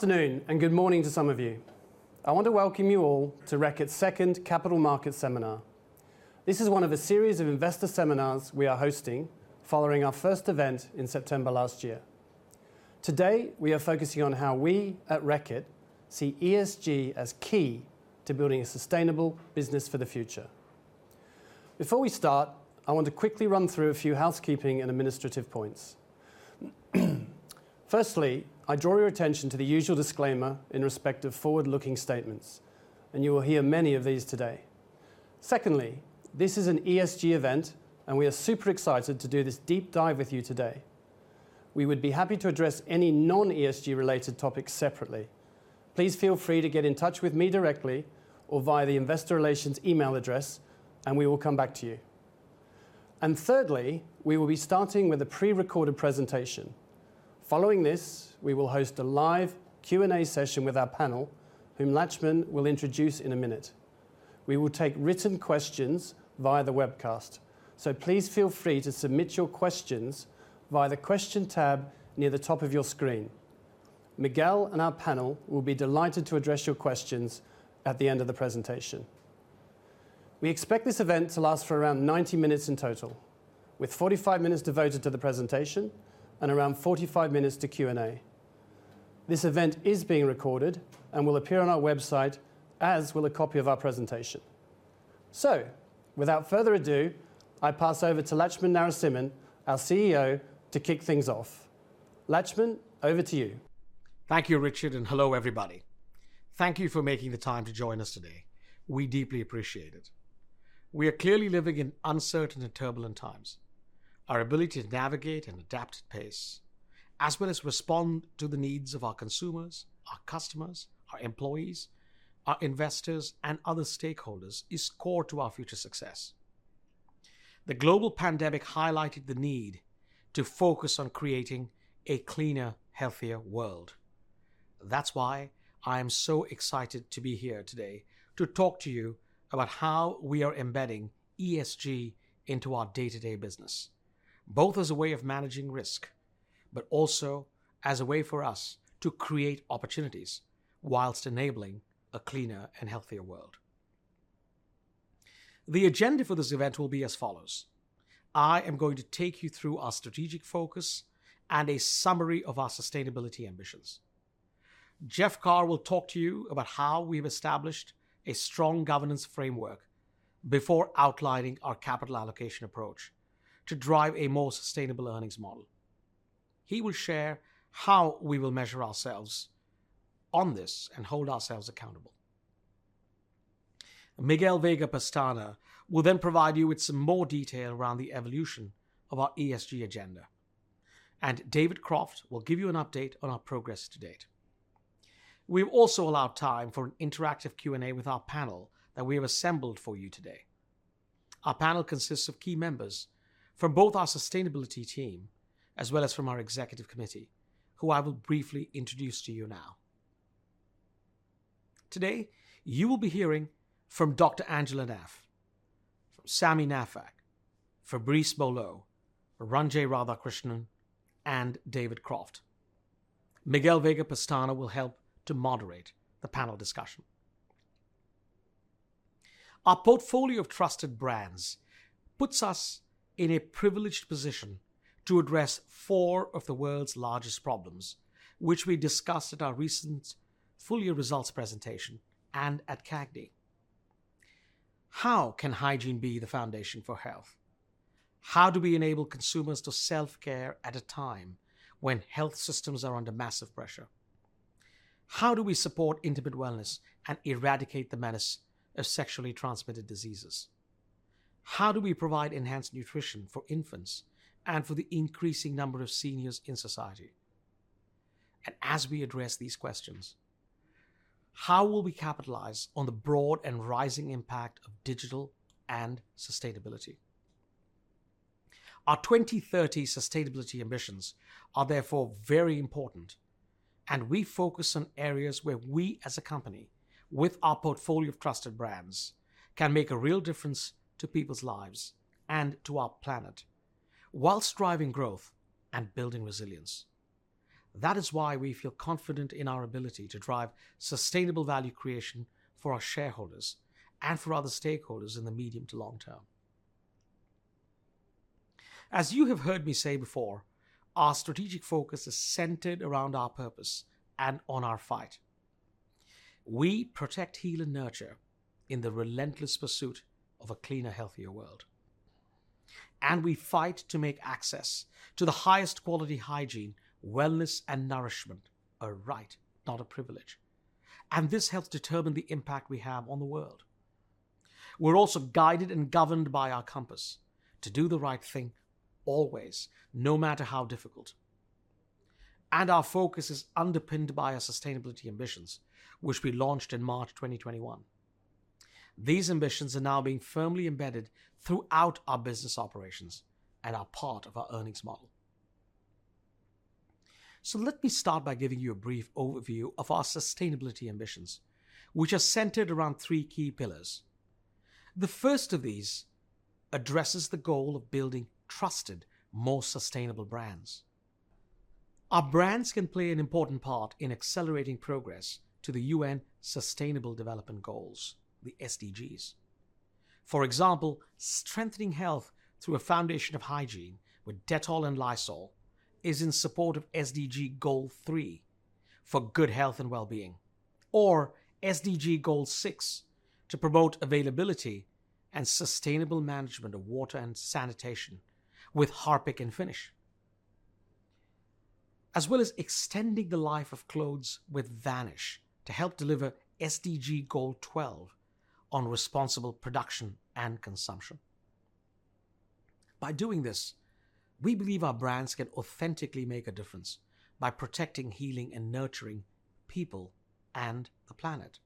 Afternoon, and good morning to some of you. I want to welcome you all to Reckitt's second Capital Markets Seminar. This is one of a series of investor seminars we are hosting following our first event in September last year. Today, we are focusing on how we at Reckitt see ESG as key to building a sustainable business for the future. Before we start, I want to quickly run through a few housekeeping and administrative points. Firstly, I draw your attention to the usual disclaimer in respect of forward-looking statements, and you will hear many of these today. Secondly, this is an ESG event, and we are super excited to do this deep dive with you today. We would be happy to address any non-ESG related topics separately. Please feel free to get in touch with me directly or via the investor relations email address, and we will come back to you. Thirdly, we will be starting with a pre-recorded presentation. Following this, we will host a live Q&A session with our panel, whom Laxman will introduce in a minute. We will take written questions via the webcast, so please feel free to submit your questions via the question tab near the top of your screen. Miguel and our panel will be delighted to address your questions at the end of the presentation. We expect this event to last for around 90 minutes in total, with 45 minutes devoted to the presentation and around 45 minutes to Q&A. This event is being recorded and will appear on our website, as will a copy of our presentation. Without further ado, I pass over to Laxman Narasimhan, our CEO, to kick things off. Laxman, over to you. Thank you, Richard, and hello, everybody. Thank you for making the time to join us today. We deeply appreciate it. We are clearly living in uncertain and turbulent times. Our ability to navigate and adapt at pace, as well as respond to the needs of our consumers, our customers, our employees, our investors, and other stakeholders, is core to our future success. The global pandemic highlighted the need to focus on creating a cleaner, healthier world. That's why I am so excited to be here today to talk to you about how we are embedding ESG into our day-to-day business, both as a way of managing risk, but also as a way for us to create opportunities while enabling a cleaner and healthier world. The agenda for this event will be as follows. I am going to take you through our strategic focus and a summary of our sustainability ambitions. Jeff Carr will talk to you about how we've established a strong governance framework before outlining our capital allocation approach to drive a more sustainable earnings model. He will share how we will measure ourselves on this and hold ourselves accountable. Miguel Veiga-Pestana will then provide you with some more detail around the evolution of our ESG agenda. David Croft will give you an update on our progress to date. We've also allowed time for an interactive Q&A with our panel that we have assembled for you today. Our panel consists of key members from both our sustainability team as well as from our executive committee, who I will briefly introduce to you now. Today, you will be hearing from Dr. Angela Naef, from Sami Naffakh, Fabrice Beaulieu, Ranjay Radhakrishnan, and David Croft. Miguel Veiga-Pestana will help to moderate the panel discussion. Our portfolio of trusted brands puts us in a privileged position to address four of the world's largest problems, which we discussed at our recent full year results presentation and at CAGNY. How can hygiene be the foundation for health? How do we enable consumers to self-care at a time when health systems are under massive pressure? How do we support intimate wellness and eradicate the menace of sexually transmitted diseases? How do we provide enhanced nutrition for infants and for the increasing number of seniors in society? As we address these questions, how will we capitalize on the broad and rising impact of digital and sustainability? Our 2030 sustainability ambitions are therefore very important, and we focus on areas where we as a company, with our portfolio of trusted brands, can make a real difference to people's lives and to our planet while driving growth and building resilience. That is why we feel confident in our ability to drive sustainable value creation for our shareholders and for other stakeholders in the medium to long term. As you have heard me say before, our strategic focus is centered around our purpose and on our fight. We protect, heal, and nurture in the relentless pursuit of a cleaner, healthier world. We fight to make access to the highest quality hygiene, wellness, and nourishment a right, not a privilege. This helps determine the impact we have on the world. We're also guided and governed by our compass to do the right thing always, no matter how difficult. Our focus is underpinned by our sustainability ambitions, which we launched in March 2021. These ambitions are now being firmly embedded throughout our business operations and are part of our earnings model. Let me start by giving you a brief overview of our sustainability ambitions, which are centered around three key pillars. The first of these addresses the goal of building trusted, more sustainable brands. Our brands can play an important part in accelerating progress to the UN Sustainable Development Goals, the SDGs. For example, strengthening health through a foundation of hygiene with Dettol and Lysol is in support of SDG three for good health and wellbeing, or SDG six to promote availability and sustainable management of water and sanitation with Harpic and Finish, as well as extending the life of clothes with Vanish to help deliver SDG 12 on responsible production and consumption. By doing this, we believe our brands can authentically make a difference by protecting, healing, and nurturing people and the planet.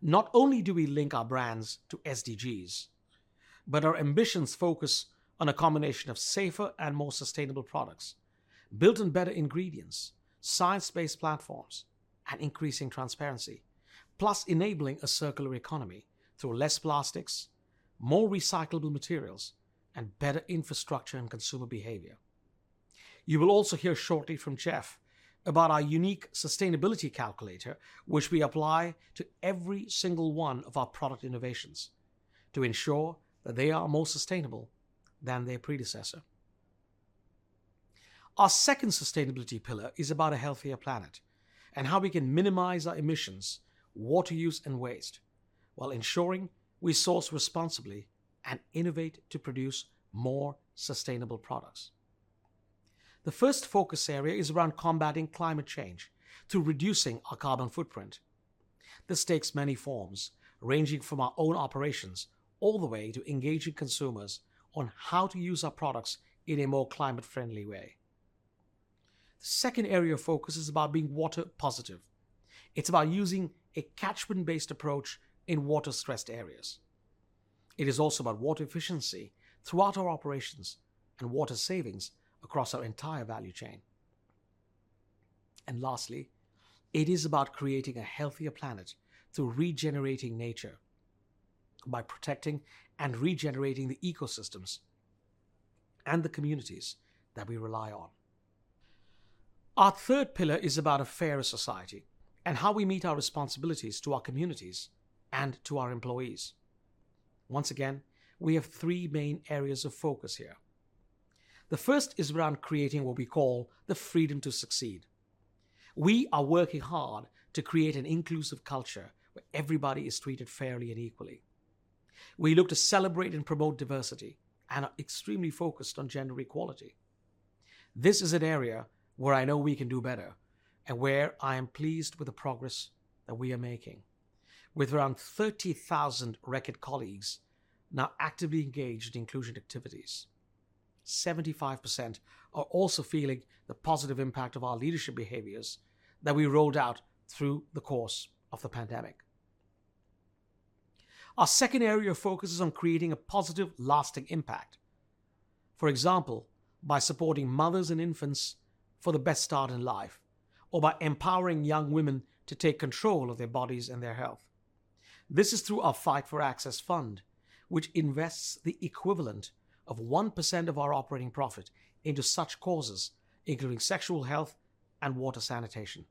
Not only do we link our brands to SDGs, but our ambitions focus on a combination of safer and more sustainable products built on better ingredients, science-based platforms, and increasing transparency, plus enabling a circular economy through less plastics, more recyclable materials, and better infrastructure and consumer behavior. You will also hear shortly from Jeff about our unique sustainability calculator, which we apply to every single one of our product innovations to ensure that they are more sustainable than their predecessor. Our second sustainability pillar is about a healthier planet and how we can minimize our emissions, water use, and waste while ensuring we source responsibly and innovate to produce more sustainable products. The first focus area is around combating climate change through reducing our carbon footprint. This takes many forms, ranging from our own operations all the way to engaging consumers on how to use our products in a more climate-friendly way. The second area of focus is about being water positive. It's about using a catchment-based approach in water-stressed areas. It is also about water efficiency throughout our operations and water savings across our entire value chain. Lastly, it is about creating a healthier planet through regenerating nature by protecting and regenerating the ecosystems and the communities that we rely on. Our third pillar is about a fairer society and how we meet our responsibilities to our communities and to our employees. Once again, we have three main areas of focus here. The first is around creating what we call the freedom to succeed. We are working hard to create an inclusive culture where everybody is treated fairly and equally. We look to celebrate and promote diversity and are extremely focused on gender equality. This is an area where I know we can do better and where I am pleased with the progress that we are making, with around 30,000 Reckitt colleagues now actively engaged in inclusion activities. 75% are also feeling the positive impact of our leadership behaviors that we rolled out through the course of the pandemic. Our second area of focus is on creating a positive, lasting impact, for example, by supporting mothers and infants for the best start in life or by empowering young women to take control of their bodies and their health. This is through our Fight for Access Fund, which invests the equivalent of 1% of our operating profit into such causes, including sexual health and water sanitation.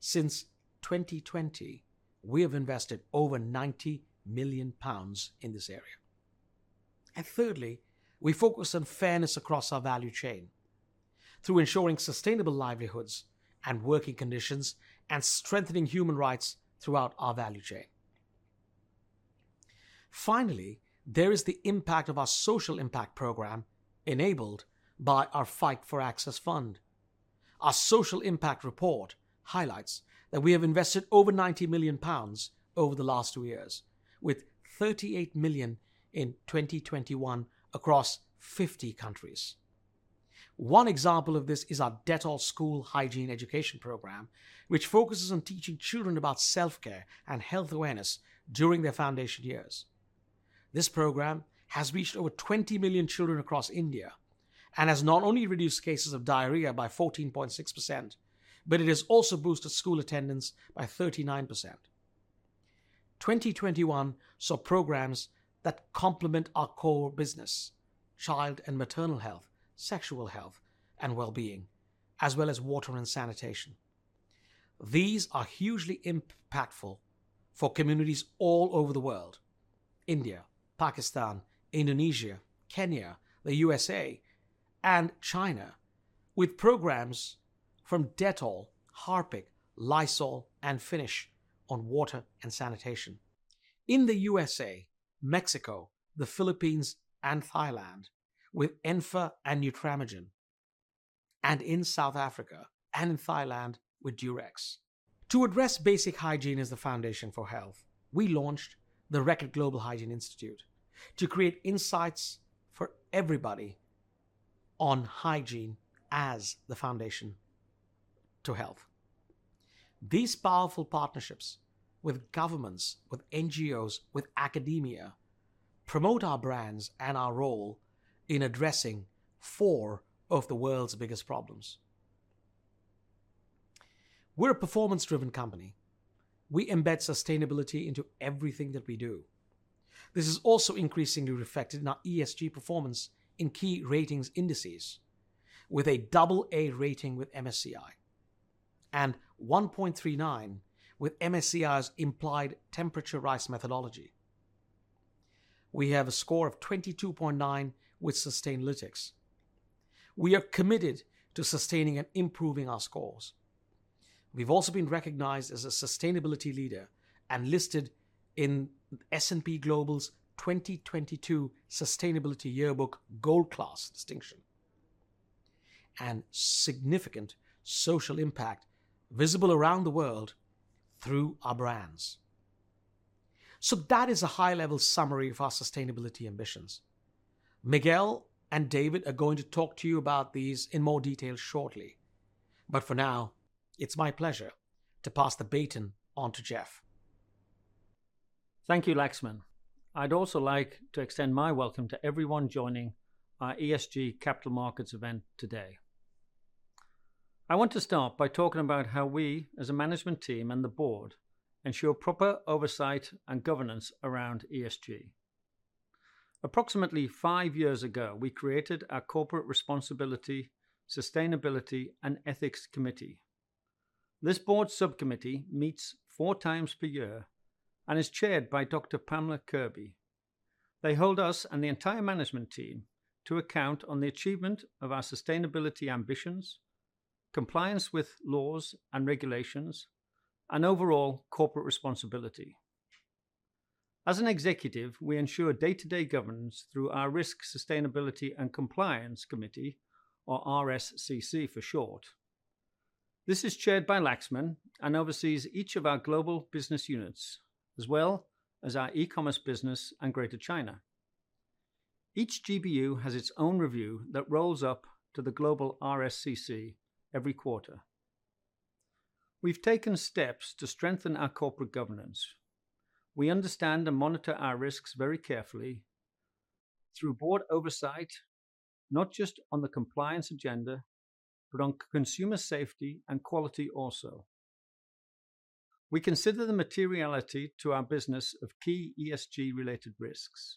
Since 2020, we have invested over 90 million pounds in this area. Thirdly, we focus on fairness across our value chain through ensuring sustainable livelihoods and working conditions and strengthening human rights throughout our value chain. Finally, there is the impact of our social impact program enabled by our Fight for Access Fund. Our social impact report highlights that we have invested over 90 million pounds over the last two years, with 38 million in 2021 across 50 countries. One example of this is our Dettol School Hygiene Education Program, which focuses on teaching children about self-care and health awareness during their foundation years. This program has reached over 20 million children across India and has not only reduced cases of diarrhea by 14.6%, but it has also boosted school attendance by 39%. 2021 saw programs that complement our core business, child and maternal health, sexual health, and wellbeing, as well as water and sanitation. These are hugely impactful for communities all over the world, India, Pakistan, Indonesia, Kenya, the USA, and China, with programs from Dettol, Harpic, Lysol, and Finish on water and sanitation. In the USA, Mexico, the Philippines, and Thailand with Enfa and Nutramigen, and in South Africa and in Thailand with Durex. To address basic hygiene as the foundation for health, we launched the Reckitt Global Hygiene Institute to create insights for everybody on hygiene as the foundation to health. These powerful partnerships with governments, with NGOs, with academia promote our brands and our role in addressing four of the world's biggest problems. We're a performance-driven company. We embed sustainability into everything that we do. This is also increasingly reflected in our ESG performance in key ratings indices with a double A rating with MSCI and 1.39 with MSCI's implied temperature rise methodology. We have a score of 22.9 with Sustainalytics. We are committed to sustaining and improving our scores. We've also been recognized as a sustainability leader and listed in S&P Global's 2022 Sustainability Yearbook Gold Class Distinction and significant social impact visible around the world through our brands. That is a high-level summary of our sustainability ambitions. Miguel and David are going to talk to you about these in more detail shortly, but for now, it's my pleasure to pass the baton on to Jeff. Thank you, Laxman. I'd also like to extend my welcome to everyone joining our ESG capital markets event today. I want to start by talking about how we, as a management team and the board, ensure proper oversight and governance around ESG. Approximately five years ago, we created our corporate responsibility, sustainability, and ethics committee. This board subcommittee meets four times per year and is chaired by Dr. Pamela Kirby. They hold us and the entire management team to account on the achievement of our sustainability ambitions, compliance with laws and regulations, and overall corporate responsibility. As an executive, we ensure day-to-day governance through our Risk, Sustainability, and Compliance Committee, or RSCC for short. This is chaired by Laxman and oversees each of our global business units, as well as our e-commerce business and Greater China. Each GBU has its own review that rolls up to the global RSCC every quarter. We've taken steps to strengthen our corporate governance. We understand and monitor our risks very carefully through board oversight, not just on the compliance agenda, but on consumer safety and quality also. We consider the materiality to our business of key ESG related risks.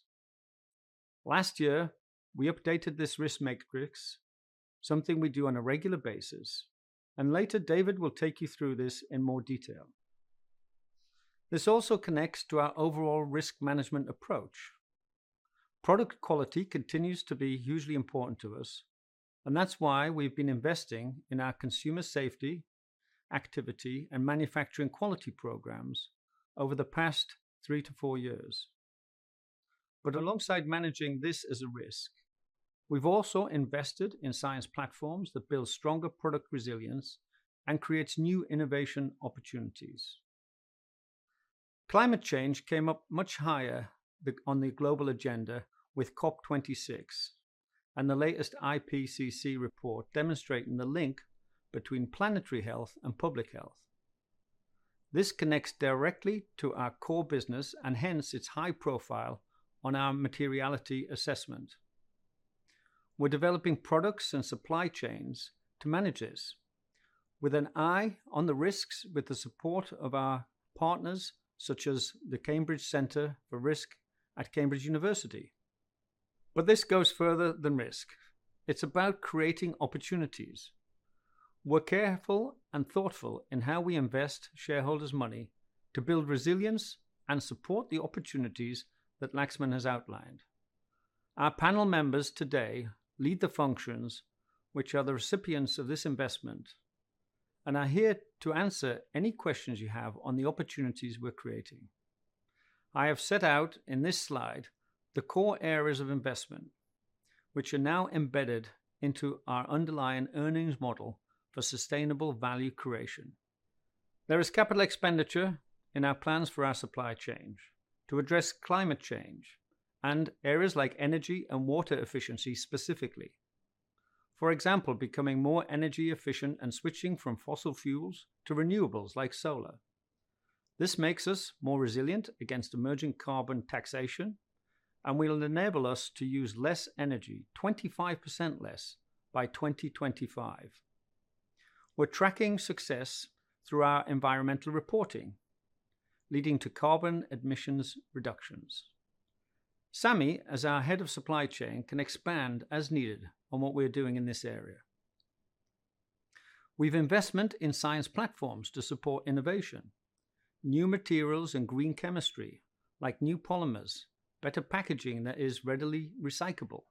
Last year, we updated this risk matrix, something we do on a regular basis, and later, David will take you through this in more detail. This also connects to our overall risk management approach. Product quality continues to be hugely important to us, and that's why we've been investing in our consumer safety activity and manufacturing quality programs over the past three to four years. Alongside managing this as a risk, we've also invested in science platforms that build stronger product resilience and creates new innovation opportunities. Climate change came up much higher on the global agenda with COP26 and the latest IPCC report demonstrating the link between planetary health and public health. This connects directly to our core business, and hence, its high profile on our materiality assessment. We're developing products and supply chains to manage this with an eye on the risks with the support of our partners such as the Cambridge Centre for Risk Studies at University of Cambridge. This goes further than risk. It's about creating opportunities. We're careful and thoughtful in how we invest shareholders' money to build resilience and support the opportunities that Laxman has outlined. Our panel members today lead the functions which are the recipients of this investment and are here to answer any questions you have on the opportunities we're creating. I have set out in this slide the core areas of investment, which are now embedded into our underlying earnings model for sustainable value creation. There is capital expenditure in our plans for our supply chain to address climate change and areas like energy and water efficiency specifically. For example, becoming more energy efficient and switching from fossil fuels to renewables like solar. This makes us more resilient against emerging carbon taxation and will enable us to use less energy, 25% less by 2025. We're tracking success through our environmental reporting, leading to carbon emissions reductions. Sami Naffakh, as our head of supply chain, can expand as needed on what we're doing in this area. We have investment in science platforms to support innovation, new materials, and green chemistry, like new polymers, better packaging that is readily recyclable.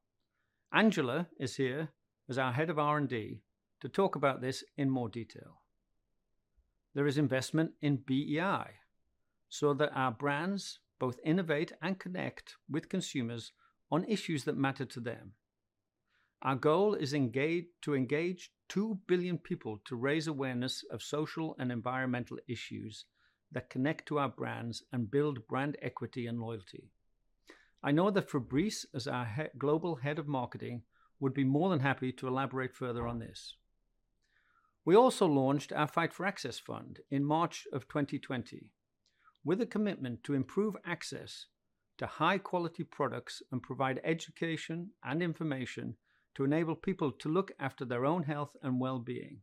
Angela Naef is here as our head of R&D to talk about this in more detail. There is investment in BEI so that our brands both innovate and connect with consumers on issues that matter to them. Our goal is to engage two billion people to raise awareness of social and environmental issues that connect to our brands and build brand equity and loyalty. I know that Fabrice Beaulieu, as our global head of marketing, would be more than happy to elaborate further on this. We also launched our Fight for Access Fund in March of 2020. With a commitment to improve access to high-quality products and provide education and information to enable people to look after their own health and wellbeing.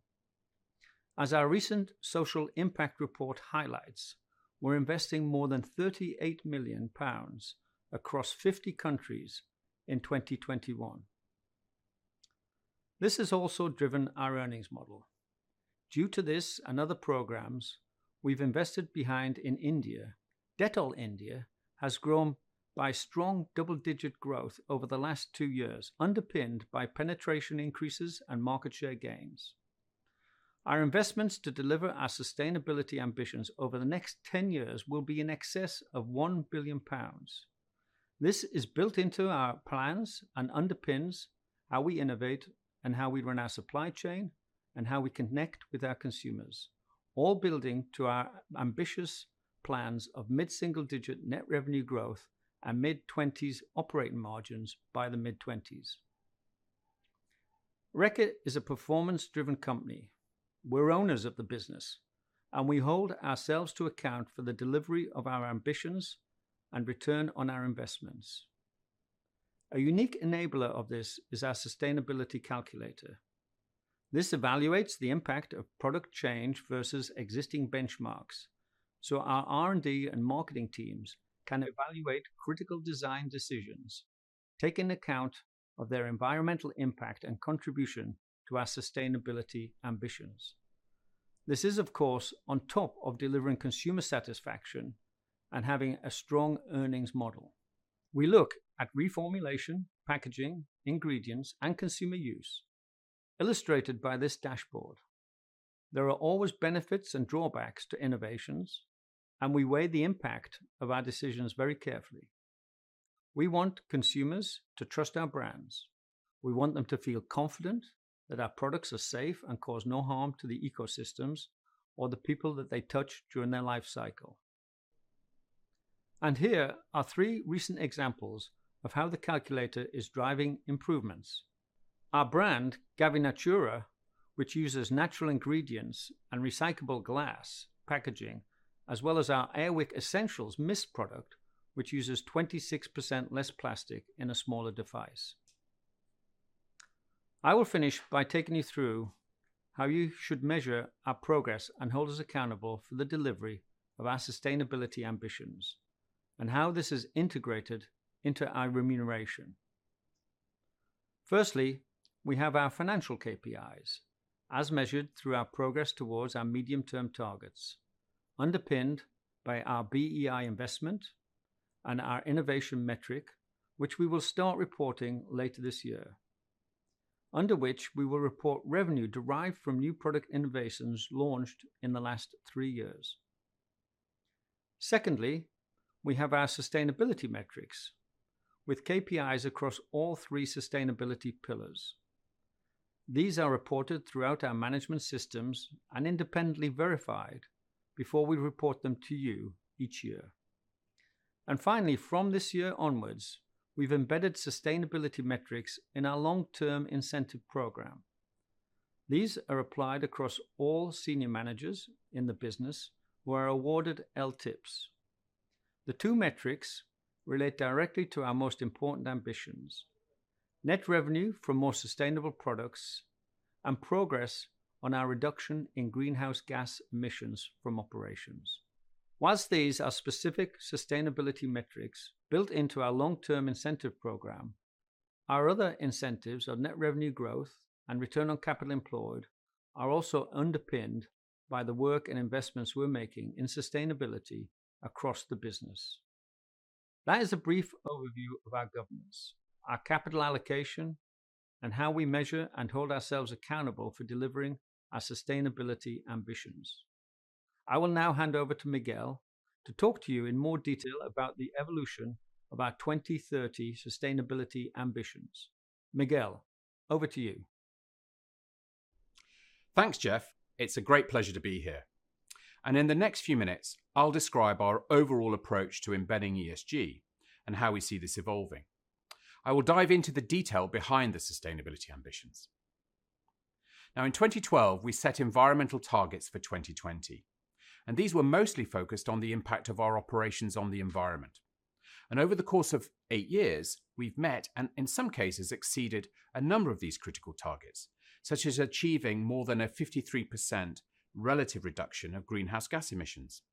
As our recent social impact report highlights, we're investing more than 38 million pounds across 50 countries in 2021. This has also driven our earnings model. Due to this and other programs we've invested behind in India, Dettol India has grown by strong double-digit growth over the last two years, underpinned by penetration increases and market share gains. Our investments to deliver our sustainability ambitions over the next 10 years will be in excess of 1 billion pounds. This is built into our plans and underpins how we innovate and how we run our supply chain and how we connect with our consumers, all building to our ambitious plans of mid-single-digit net revenue growth and mid-2020s operating margins by the mid-2020s. Reckitt is a performance-driven company. We're owners of the business, and we hold ourselves to account for the delivery of our ambitions and return on our investments. A unique enabler of this is our sustainability calculator. This evaluates the impact of product change versus existing benchmarks, so our R&D and marketing teams can evaluate critical design decisions, take in account of their environmental impact and contribution to our sustainability ambitions. This is, of course, on top of delivering consumer satisfaction and having a strong earnings model. We look at reformulation, packaging, ingredients, and consumer use, illustrated by this dashboard. There are always benefits and drawbacks to innovations, and we weigh the impact of our decisions very carefully. We want consumers to trust our brands. We want them to feel confident that our products are safe and cause no harm to the ecosystems or the people that they touch during their life cycle. Here are three recent examples of how the calculator is driving improvements. Our brand, Gaviscon, which uses natural ingredients and recyclable glass packaging, as well as our Air Wick Essential Mist product, which uses 26% less plastic in a smaller device. I will finish by taking you through how you should measure our progress and hold us accountable for the delivery of our sustainability ambitions and how this is integrated into our remuneration. Firstly, we have our financial KPIs as measured through our progress towards our medium-term targets, underpinned by our BEI investment and our innovation metric, which we will start reporting later this year, under which we will report revenue derived from new product innovations launched in the last three years. Secondly, we have our sustainability metrics with KPIs across all three sustainability pillars. These are reported throughout our management systems and independently verified before we report them to you each year. Finally, from this year onwards, we've embedded sustainability metrics in our long-term incentive program. These are applied across all senior managers in the business who are awarded LTIPs. The two metrics relate directly to our most important ambitions, net revenue from more sustainable products and progress on our reduction in greenhouse gas emissions from operations. While these are specific sustainability metrics built into our long-term incentive program, our other incentives of net revenue growth and return on capital employed are also underpinned by the work and investments we're making in sustainability across the business. That is a brief overview of our governance, our capital allocation, and how we measure and hold ourselves accountable for delivering our sustainability ambitions. I will now hand over to Miguel to talk to you in more detail about the evolution of our 2030 sustainability ambitions. Miguel, over to you. Thanks, Jeff. It's a great pleasure to be here, and in the next few minutes, I'll describe our overall approach to embedding ESG and how we see this evolving. I will dive into the detail behind the sustainability ambitions. Now, in 2012, we set environmental targets for 2020, and these were mostly focused on the impact of our operations on the environment. Over the course of eight years, we've met, and in some cases exceeded, a number of these critical targets, such as achieving more than a 53% relative reduction of greenhouse gas emissions.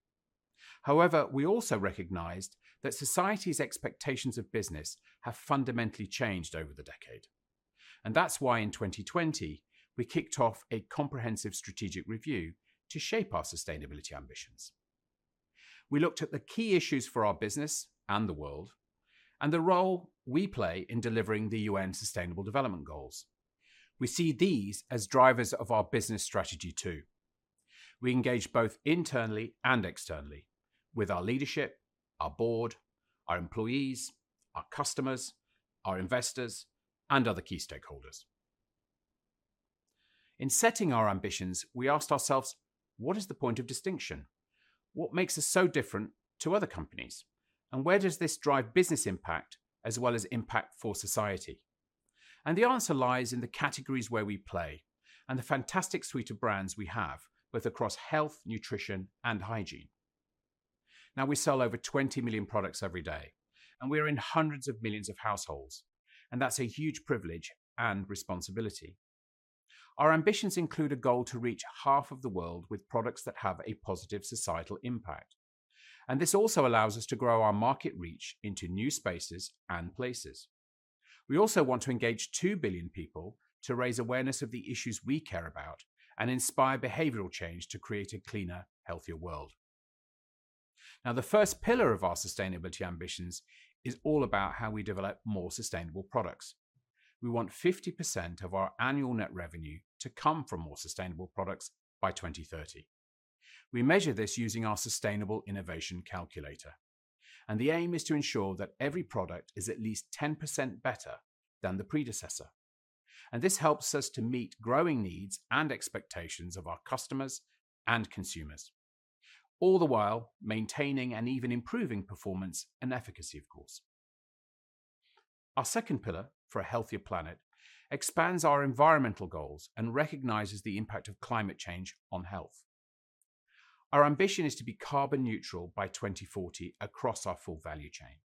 However, we also recognized that society's expectations of business have fundamentally changed over the decade, and that's why in 2020, we kicked off a comprehensive strategic review to shape our sustainability ambitions. We looked at the key issues for our business and the world and the role we play in delivering the UN Sustainable Development Goals. We see these as drivers of our business strategy too. We engage both internally and externally with our leadership, our board, our employees, our customers, our investors, and other key stakeholders. In setting our ambitions, we asked ourselves, "What is the point of distinction? What makes us so different to other companies, and where does this drive business impact as well as impact for society?" The answer lies in the categories where we play and the fantastic suite of brands we have, both across health, nutrition, and hygiene. Now, we sell over 20 million products every day, and we're in hundreds of millions of households, and that's a huge privilege and responsibility. Our ambitions include a goal to reach half of the world with products that have a positive societal impact, and this also allows us to grow our market reach into new spaces and places. We also want to engage two billion people to raise awareness of the issues we care about and inspire behavioral change to create a cleaner, healthier world. Now, the first pillar of our sustainability ambitions is all about how we develop more sustainable products. We want 50% of our annual net revenue to come from more sustainable products by 2030. We measure this using our Sustainable Innovation Calculator, and the aim is to ensure that every product is at least 10% better than the predecessor. This helps us to meet growing needs and expectations of our customers and consumers, all the while maintaining and even improving performance and efficacy, of course. Our second pillar for a healthier planet expands our environmental goals and recognizes the impact of climate change on health. Our ambition is to be carbon neutral by 2040 across our full value chain,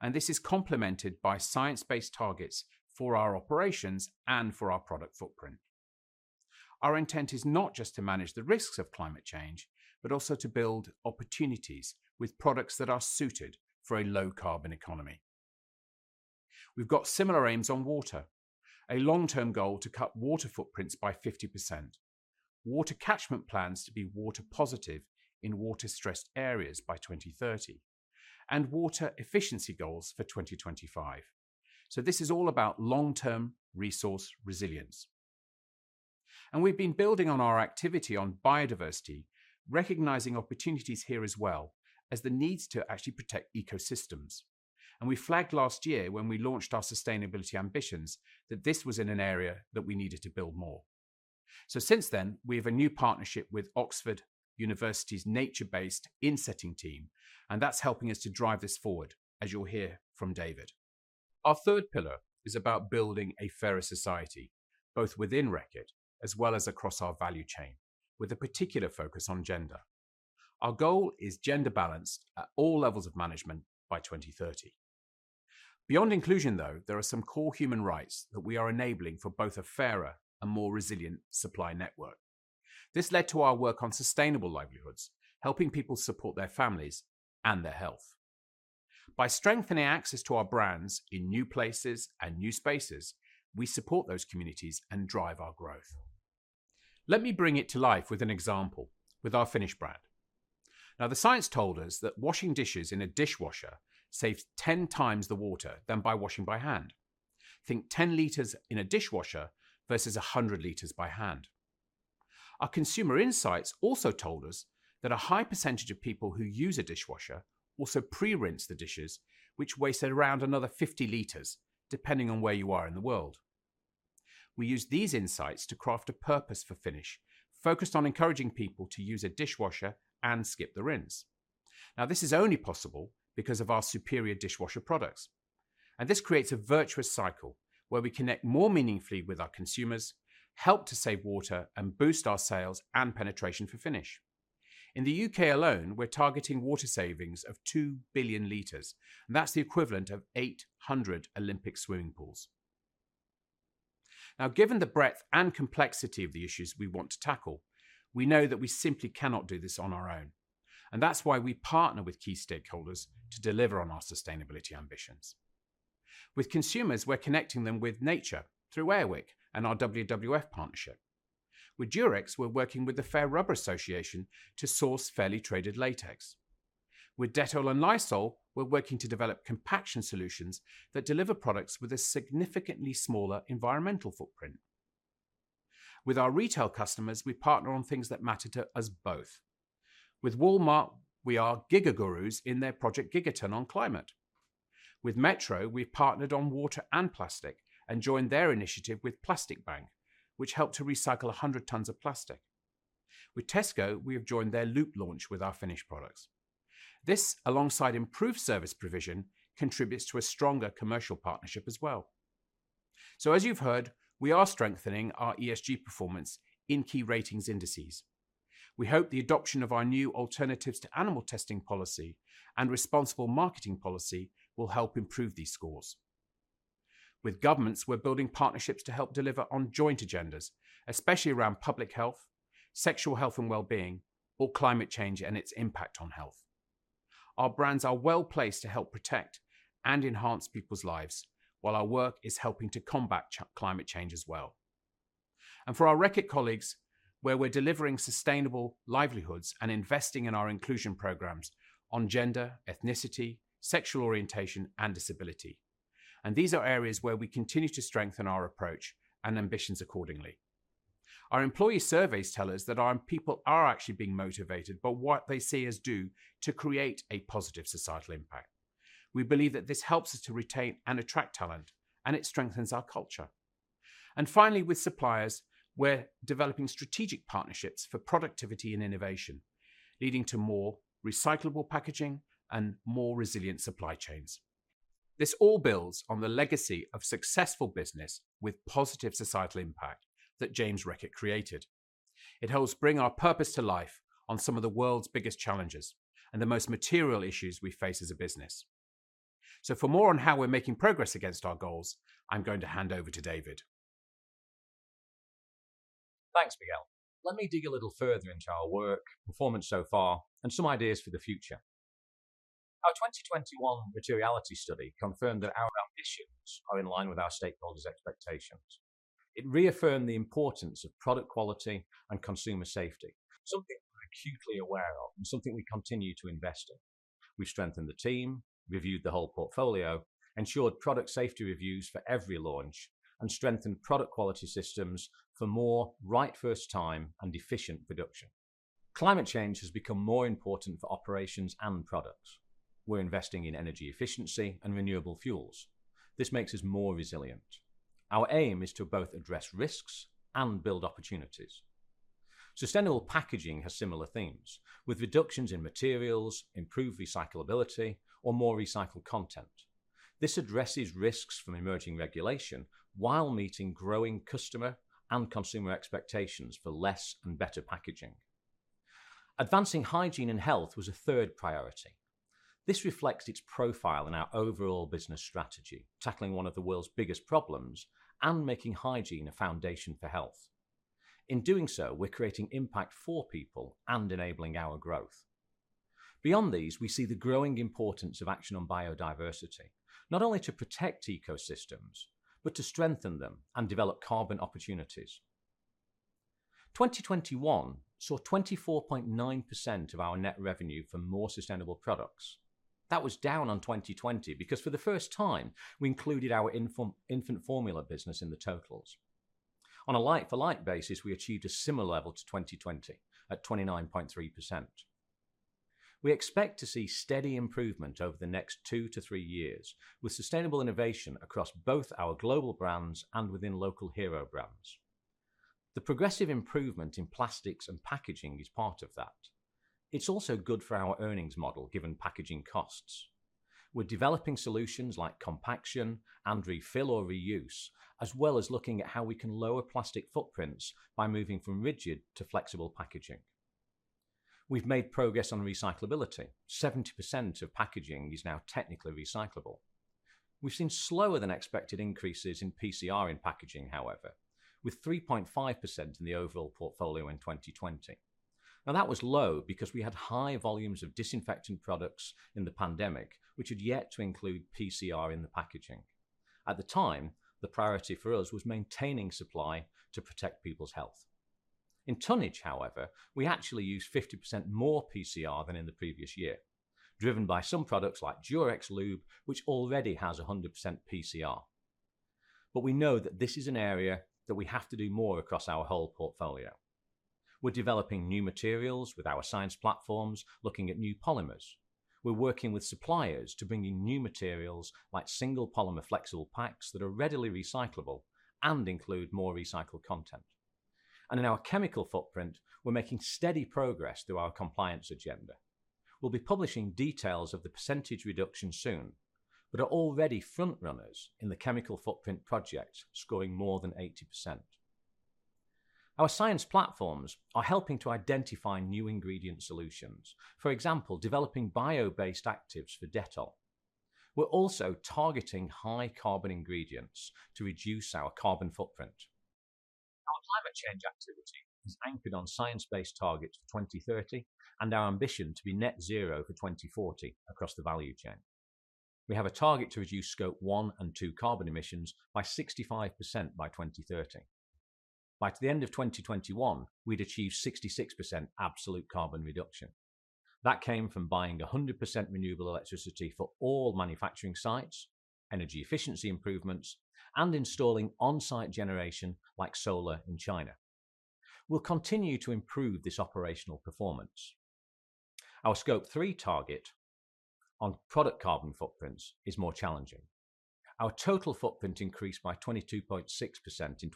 and this is complemented by science-based targets for our operations and for our product footprint. Our intent is not just to manage the risks of climate change, but also to build opportunities with products that are suited for a low-carbon economy. We've got similar aims on water, a long-term goal to cut water footprints by 50%, water catchment plans to be water positive in water-stressed areas by 2030, and water efficiency goals for 2025. This is all about long-term resource resilience. We've been building on our activity on biodiversity, recognizing opportunities here as well as the needs to actually protect ecosystems. We flagged last year when we launched our sustainability ambitions that this was in an area that we needed to build more. Since then, we have a new partnership with Oxford University's Nature-based Insetting team, and that's helping us to drive this forward, as you'll hear from David. Our third pillar is about building a fairer society, both within Reckitt as well as across our value chain, with a particular focus on gender. Our goal is gender balance at all levels of management by 2030. Beyond inclusion, though, there are some core human rights that we are enabling for both a fairer and more resilient supply network. This led to our work on sustainable livelihoods, helping people support their families and their health. By strengthening access to our brands in new places and new spaces, we support those communities and drive our growth. Let me bring it to life with an example with our Finish brand. The science told us that washing dishes in a dishwasher saves 10 times the water than by washing by hand. Think 10 L in a dishwasher versus 100 L by hand. Our consumer insights also told us that a high percentage of people who use a dishwasher also pre-rinse the dishes, which wastes around another 50 L, depending on where you are in the world. We used these insights to craft a purpose for Finish, focused on encouraging people to use a dishwasher and skip the rinse. This is only possible because of our superior dishwasher products, and this creates a virtuous cycle where we connect more meaningfully with our consumers, help to save water, and boost our sales and penetration for Finish. In the UK alone, we're targeting water savings of 2 billion liters, and that's the equivalent of 800 Olympic swimming pools. Now, given the breadth and complexity of the issues we want to tackle, we know that we simply cannot do this on our own, and that's why we partner with key stakeholders to deliver on our sustainability ambitions. With consumers, we're connecting them with nature through Air Wick and our WWF partnership. With Durex, we're working with the Fair Rubber Association to source fairly traded latex. With Dettol and Lysol, we're working to develop compaction solutions that deliver products with a significantly smaller environmental footprint. With our retail customers, we partner on things that matter to us both. With Walmart, we are Giga Gurus in their Project Gigaton on climate. With Metro, we've partnered on water and plastic and joined their initiative with Plastic Bank, which helped to recycle 100 tons of plastic. With Tesco, we have joined their Loop launch with our Finish products. This, alongside improved service provision, contributes to a stronger commercial partnership as well. As you've heard, we are strengthening our ESG performance in key ratings indices. We hope the adoption of our new alternatives to animal testing policy and responsible marketing policy will help improve these scores. With governments, we're building partnerships to help deliver on joint agendas, especially around public health, sexual health and wellbeing, or climate change and its impact on health. Our brands are well-placed to help protect and enhance people's lives while our work is helping to combat climate change as well. For our Reckitt colleagues, where we're delivering sustainable livelihoods and investing in our inclusion programs on gender, ethnicity, sexual orientation, and disability, and these are areas where we continue to strengthen our approach and ambitions accordingly. Our employee surveys tell us that our people are actually being motivated by what they see us do to create a positive societal impact. We believe that this helps us to retain and attract talent, and it strengthens our culture. Finally, with suppliers, we're developing strategic partnerships for productivity and innovation, leading to more recyclable packaging and more resilient supply chains. This all builds on the legacy of successful business with positive societal impact that Isaac Reckitt created. It helps bring our purpose to life on some of the world's biggest challenges and the most material issues we face as a business. For more on how we're making progress against our goals, I'm going to hand over to David. Thanks, Miguel. Let me dig a little further into our work, performance so far, and some ideas for the future. Our 2021 materiality study confirmed that our ambitions are in line with our stakeholders' expectations. It reaffirmed the importance of product quality and consumer safety, something we're acutely aware of and something we continue to invest in. We strengthened the team, reviewed the whole portfolio, ensured product safety reviews for every launch, and strengthened product quality systems for more right first time and efficient production. Climate change has become more important for operations and products. We're investing in energy efficiency and renewable fuels. This makes us more resilient. Our aim is to both address risks and build opportunities. Sustainable packaging has similar themes, with reductions in materials, improved recyclability, or more recycled content. This addresses risks from emerging regulation while meeting growing customer and consumer expectations for less and better packaging. Advancing hygiene and health was a third priority. This reflects its profile in our overall business strategy, tackling one of the world's biggest problems and making hygiene a foundation for health. In doing so, we're creating impact for people and enabling our growth. Beyond these, we see the growing importance of action on biodiversity, not only to protect ecosystems, but to strengthen them and develop carbon opportunities. 2021 saw 24.9% of our net revenue from more sustainable products. That was down on 2020 because for the first time, we included our infant formula business in the totals. On a like for like basis, we achieved a similar level to 2020 at 29.3%. We expect to see steady improvement over the next two to three years with sustainable innovation across both our global brands and within local hero brands. The progressive improvement in plastics and packaging is part of that. It's also good for our earnings model given packaging costs. We're developing solutions like compaction and refill or reuse, as well as looking at how we can lower plastic footprints by moving from rigid to flexible packaging. We've made progress on recyclability. 70% of packaging is now technically recyclable. We've seen slower than expected increases in PCR in packaging, however, with 3.5% in the overall portfolio in 2020. Now, that was low because we had high volumes of disinfecting products in the pandemic, which had yet to include PCR in the packaging. At the time, the priority for us was maintaining supply to protect people's health. In tonnage, however, we actually used 50% more PCR than in the previous year, driven by some products like Durex lube, which already has 100% PCR. We know that this is an area that we have to do more across our whole portfolio. We're developing new materials with our science platforms, looking at new polymers. We're working with suppliers to bring in new materials like single polymer flexible packs that are readily recyclable and include more recycled content. In our chemical footprint, we're making steady progress through our compliance agenda. We'll be publishing details of the percentage reduction soon, but are already front runners in the Chemical Footprint Project, scoring more than 80%. Our science platforms are helping to identify new ingredient solutions, for example, developing bio-based actives for Dettol. We're also targeting high carbon ingredients to reduce our carbon footprint. Our climate change activity is anchored on science-based targets for 2030 and our ambition to be net zero for 2040 across the value chain. We have a target to reduce Scope 1 and Scope 2 carbon emissions by 65% by 2030. By the end of 2021, we'd achieved 66% absolute carbon reduction. That came from buying 100% renewable electricity for all manufacturing sites, energy efficiency improvements, and installing on-site generation like solar in China. We'll continue to improve this operational performance. Our Scope 3 target on product carbon footprints is more challenging. Our total footprint increased by 22.6% in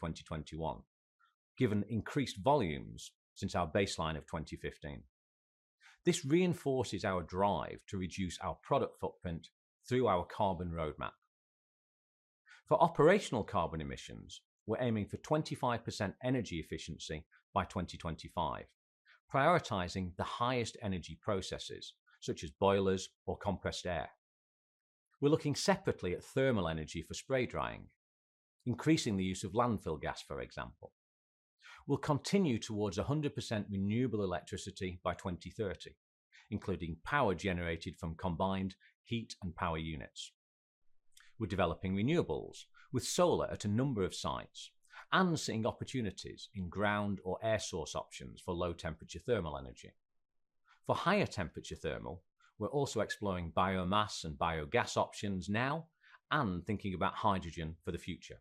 2021, given increased volumes since our baseline of 2015. This reinforces our drive to reduce our product footprint through our carbon roadmap. For operational carbon emissions, we're aiming for 25% energy efficiency by 2025, prioritizing the highest energy processes such as boilers or compressed air. We're looking separately at thermal energy for spray drying, increasing the use of landfill gas, for example. We'll continue towards 100% renewable electricity by 2030, including power generated from combined heat and power units. We're developing renewables with solar at a number of sites and seeing opportunities in ground or air source options for low temperature thermal energy. For higher temperature thermal, we're also exploring biomass and biogas options now and thinking about hydrogen for the future.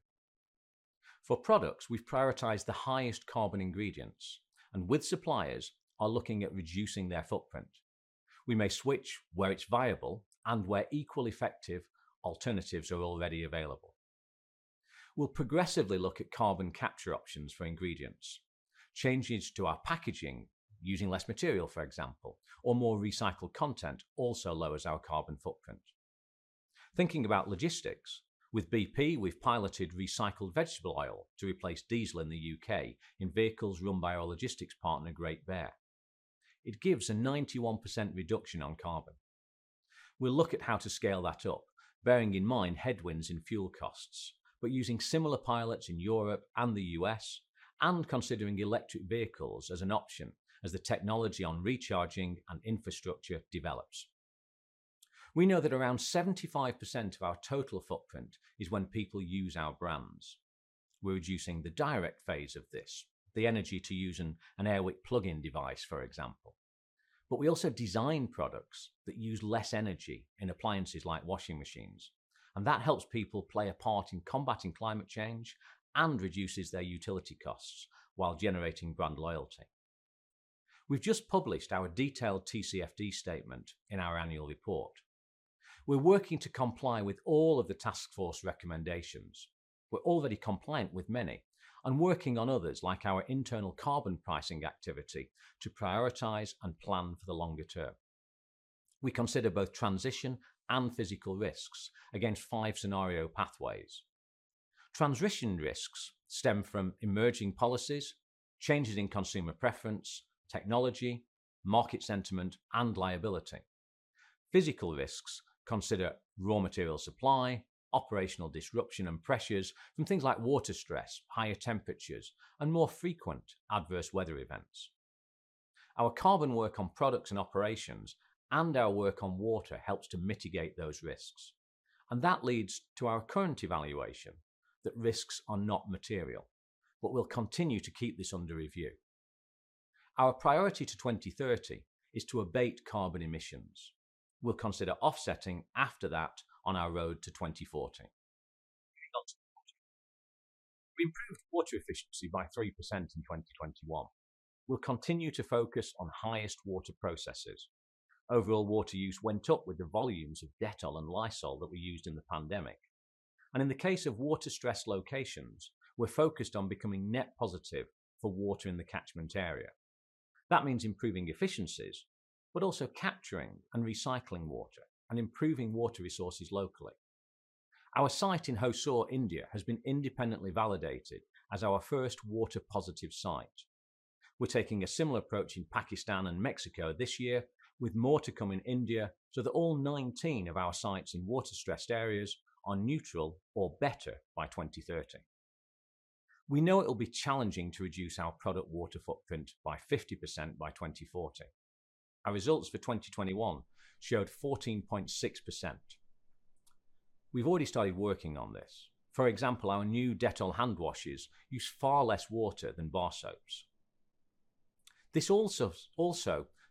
For products, we've prioritized the highest carbon ingredients, and with suppliers, are looking at reducing their footprint. We may switch where it's viable and where equally effective alternatives are already available. We'll progressively look at carbon capture options for ingredients. Changes to our packaging, using less material, for example, or more recycled content also lowers our carbon footprint. Thinking about logistics, with BP, we've piloted recycled vegetable oil to replace diesel in the U.K. in vehicles run by our logistics partner, Great Bear. It gives a 91% reduction on carbon. We'll look at how to scale that up, bearing in mind headwinds in fuel costs, but using similar pilots in Europe and the US and considering electric vehicles as an option as the technology on recharging and infrastructure develops. We know that around 75% of our total footprint is when people use our brands. We're reducing the direct phase of this, the energy to use an Air Wick plug-in device, for example, but we also design products that use less energy in appliances like washing machines, and that helps people play a part in combating climate change and reduces their utility costs while generating brand loyalty. We've just published our detailed TCFD statement in our annual report. We're working to comply with all of the Task Force recommendations. We're already compliant with many and working on others, like our internal carbon pricing activity, to prioritize and plan for the longer term. We consider both transition and physical risks against five scenario pathways. Transition risks stem from emerging policies, changes in consumer preference, technology, market sentiment, and liability. Physical risks consider raw material supply, operational disruption, and pressures from things like water stress, higher temperatures, and more frequent adverse weather events. Our carbon work on products and operations and our work on water helps to mitigate those risks, and that leads to our current evaluation that risks are not material. We'll continue to keep this under review. Our priority to 2030 is to abate carbon emissions. We'll consider offsetting after that on our road to 2040. We improved water efficiency by 3% in 2021. We'll continue to focus on highest water processes. Overall water use went up with the volumes of Dettol and Lysol that we used in the pandemic. In the case of water-stressed locations, we're focused on becoming net positive for water in the catchment area. That means improving efficiencies, but also capturing and recycling water and improving water resources locally. Our site in Hosur, India, has been independently validated as our first water positive site. We're taking a similar approach in Pakistan and Mexico this year with more to come in India, so that all 19 of our sites in water-stressed areas are neutral or better by 2030. We know it will be challenging to reduce our product water footprint by 50% by 2040. Our results for 2021 showed 14.6%. We've already started working on this. For example, our new Dettol hand washes use far less water than bar soaps. This also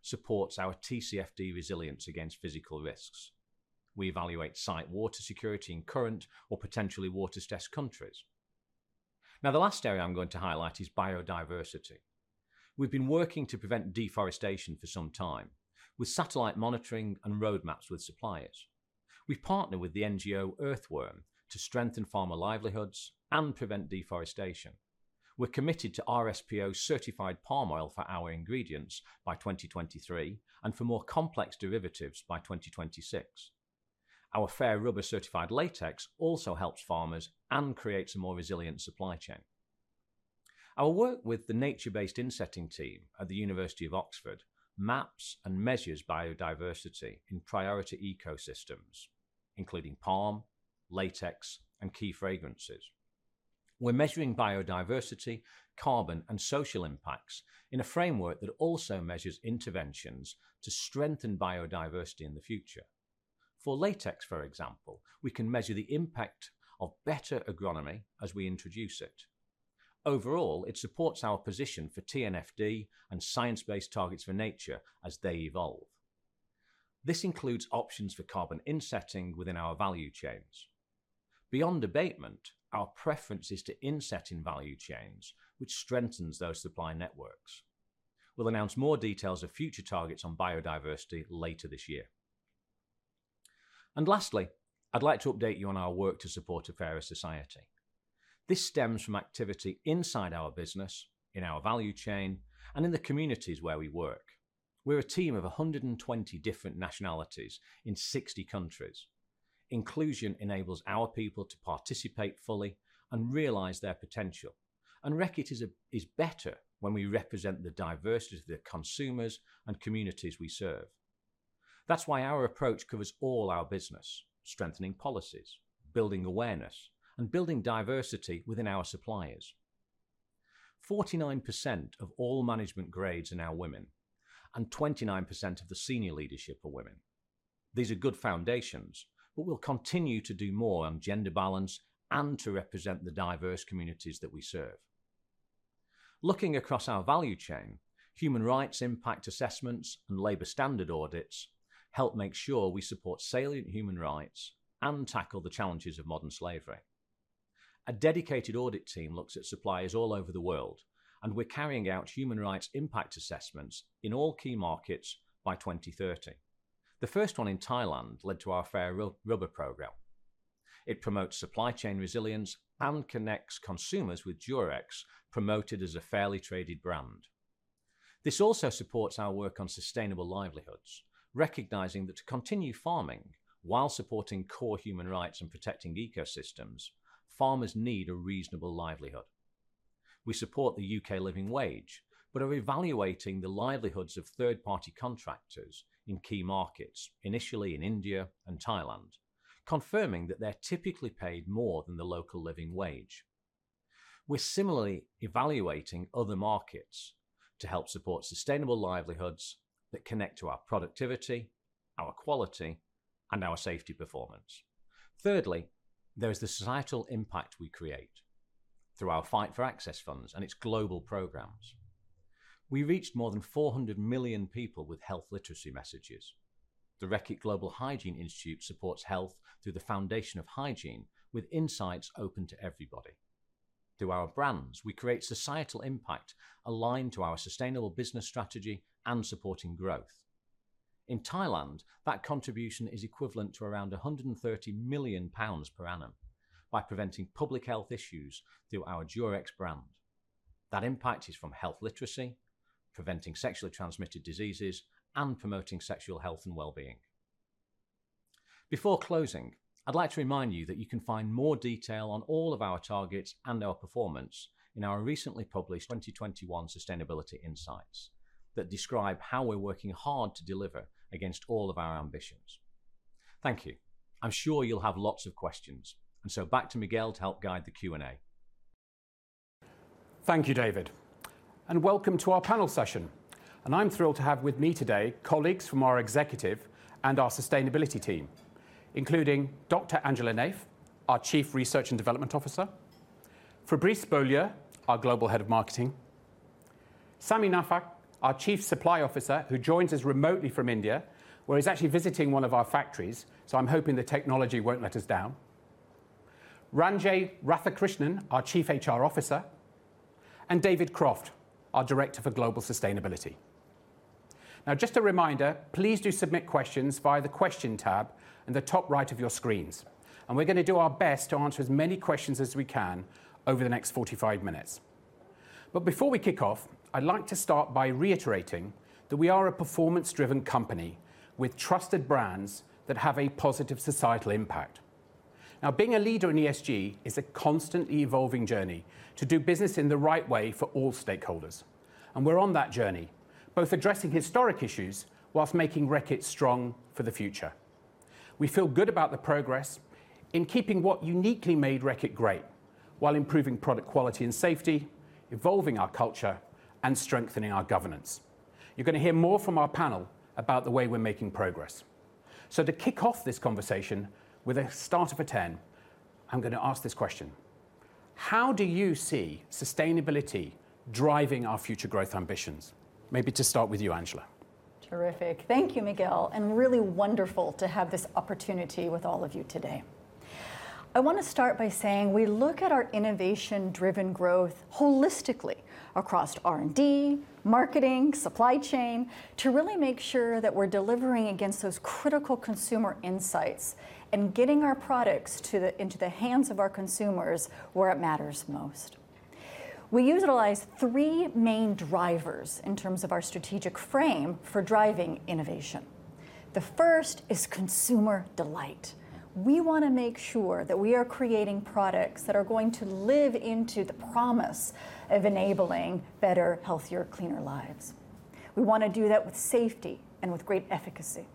supports our TCFD resilience against physical risks. We evaluate site water security in current or potentially water-stressed countries. Now, the last area I'm going to highlight is biodiversity. We've been working to prevent deforestation for some time with satellite monitoring and roadmaps with suppliers. We partner with the NGO Earthworm to strengthen farmer livelihoods and prevent deforestation. We're committed to RSPO certified palm oil for our ingredients by 2023, and for more complex derivatives by 2026. Our Fair Rubber certified latex also helps farmers and creates a more resilient supply chain. Our work with the Nature-based Insetting team at the University of Oxford maps and measures biodiversity in priority ecosystems, including palm, latex, and key fragrances. We're measuring biodiversity, carbon, and social impacts in a framework that also measures interventions to strengthen biodiversity in the future. For latex, for example, we can measure the impact of better agronomy as we introduce it. Overall, it supports our position for TNFD and science-based targets for nature as they evolve. This includes options for carbon insetting within our value chains. Beyond abatement, our preference is to inset in value chains, which strengthens those supply networks. We'll announce more details of future targets on biodiversity later this year. Lastly, I'd like to update you on our work to support a fairer society. This stems from activity inside our business, in our value chain, and in the communities where we work. We're a team of 120 different nationalities in 60 countries. Inclusion enables our people to participate fully and realize their potential, and Reckitt is better when we represent the diversity of the consumers and communities we serve. That's why our approach covers all our business, strengthening policies, building awareness, and building diversity within our suppliers. 49% of all management grades are now women, and 29% of the senior leadership are women. These are good foundations, but we'll continue to do more on gender balance and to represent the diverse communities that we serve. Looking across our value chain, human rights impact assessments and labor standard audits help make sure we support salient human rights and tackle the challenges of modern slavery. A dedicated audit team looks at suppliers all over the world, and we're carrying out human rights impact assessments in all key markets by 2030. The first one in Thailand led to our Fair Rubber program. It promotes supply chain resilience and connects consumers with Durex, promoted as a fairly traded brand. This also supports our work on sustainable livelihoods, recognizing that to continue farming while supporting core human rights and protecting ecosystems, farmers need a reasonable livelihood. We support the UK Living Wage, but are evaluating the livelihoods of third-party contractors in key markets, initially in India and Thailand, confirming that they're typically paid more than the local Living Wage. We're similarly evaluating other markets to help support sustainable livelihoods that connect to our productivity, our quality, and our safety performance. Thirdly, there is the societal impact we create through our Fight for Access Fund and its global programs. We reached more than 400 million people with health literacy messages. The Reckitt Global Hygiene Institute supports health through the foundation of hygiene with insights open to everybody. Through our brands, we create societal impact aligned to our sustainable business strategy and supporting growth. In Thailand, that contribution is equivalent to around 130 million pounds per annum by preventing public health issues through our Durex brand. That impact is from health literacy, preventing sexually transmitted diseases, and promoting sexual health and wellbeing. Before closing, I'd like to remind you that you can find more detail on all of our targets and our performance in our recently published 2021 sustainability insights that describe how we're working hard to deliver against all of our ambitions. Thank you. I'm sure you'll have lots of questions, and so back to Miguel to help guide the Q&A. Thank you, David, and welcome to our panel session. I'm thrilled to have with me today colleagues from our executive and our sustainability team, including Dr. Angela Naef, our Chief Research and Development Officer, Fabrice Beaulieu, our Global Head of Marketing, Sami Naffakh, our Chief Supply Officer, who joins us remotely from India, where he's actually visiting one of our factories, so I'm hoping the technology won't let us down, Ranjay Radhakrishnan, our Chief HR Officer, and David Croft, our Director for Global Sustainability. Now just a reminder, please do submit questions via the question tab in the top right of your screens, and we're gonna do our best to answer as many questions as we can over the next 45 minutes. Before we kick off, I'd like to start by reiterating that we are a performance-driven company with trusted brands that have a positive societal impact. Now, being a leader in ESG is a constantly evolving journey to do business in the right way for all stakeholders, and we're on that journey, both addressing historic issues while making Reckitt strong for the future. We feel good about the progress in keeping what uniquely made Reckitt great while improving product quality and safety, evolving our culture, and strengthening our governance. You're gonna hear more from our panel about the way we're making progress. To kick off this conversation with a starter for ten, I'm gonna ask this question: How do you see sustainability driving our future growth ambitions? Maybe to start with you, Angela. Terrific. Thank you, Miguel, and really wonderful to have this opportunity with all of you today. I want to start by saying we look at our innovation-driven growth holistically across R&D, marketing, supply chain to really make sure that we're delivering against those critical consumer insights and getting our products into the hands of our consumers where it matters most. We utilize three main drivers in terms of our strategic frame for driving innovation. The first is consumer delight. We want to make sure that we are creating products that are going to live into the promise of enabling better, healthier, cleaner lives. We want to do that with safety and with great efficacy.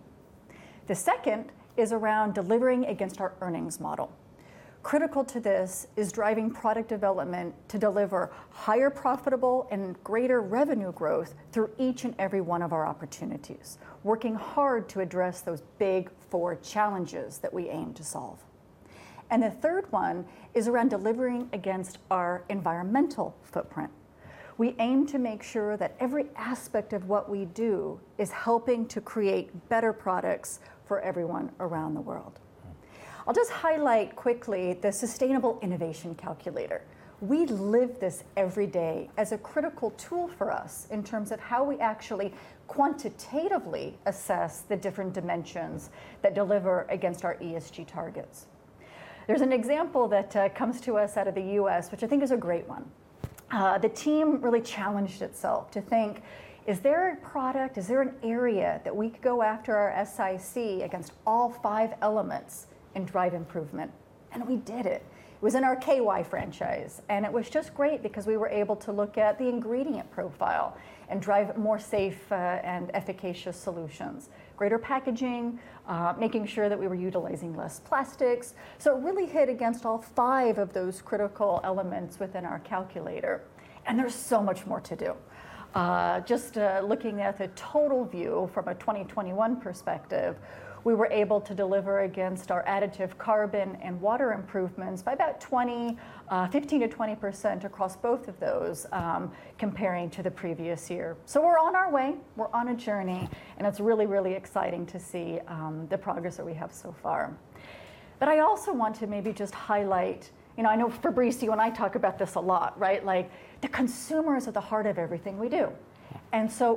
The second is around delivering against our earnings model. Critical to this is driving product development to deliver higher profitable and greater revenue growth through each and every one of our opportunities, working hard to address those big four challenges that we aim to solve. The third one is around delivering against our environmental footprint. We aim to make sure that every aspect of what we do is helping to create better products for everyone around the world. I'll just highlight quickly the Sustainable Innovation Calculator. We live this every day as a critical tool for us in terms of how we actually quantitatively assess the different dimensions that deliver against our ESG targets. There's an example that comes to us out of the U.S., which I think is a great one. The team really challenged itself to think, "Is there a product, is there an area that we could go after our SIC against all five elements and drive improvement?" We did it. It was in our K-Y franchise, and it was just great because we were able to look at the ingredient profile and drive more safe and efficacious solutions, greater packaging, making sure that we were utilizing less plastics. It really hit against all five of those critical elements within our calculator, and there's so much more to do. Just looking at the total view from a 2021 perspective, we were able to deliver against our absolute carbon and water improvements by about 15%-20% across both of those, comparing to the previous year. We're on our way. We're on a journey, and it's really, really exciting to see the progress that we have so far. I also want to maybe just highlight, you know, I know, Fabrice, you and I talk about this a lot, right? Like the consumer is at the heart of everything we do.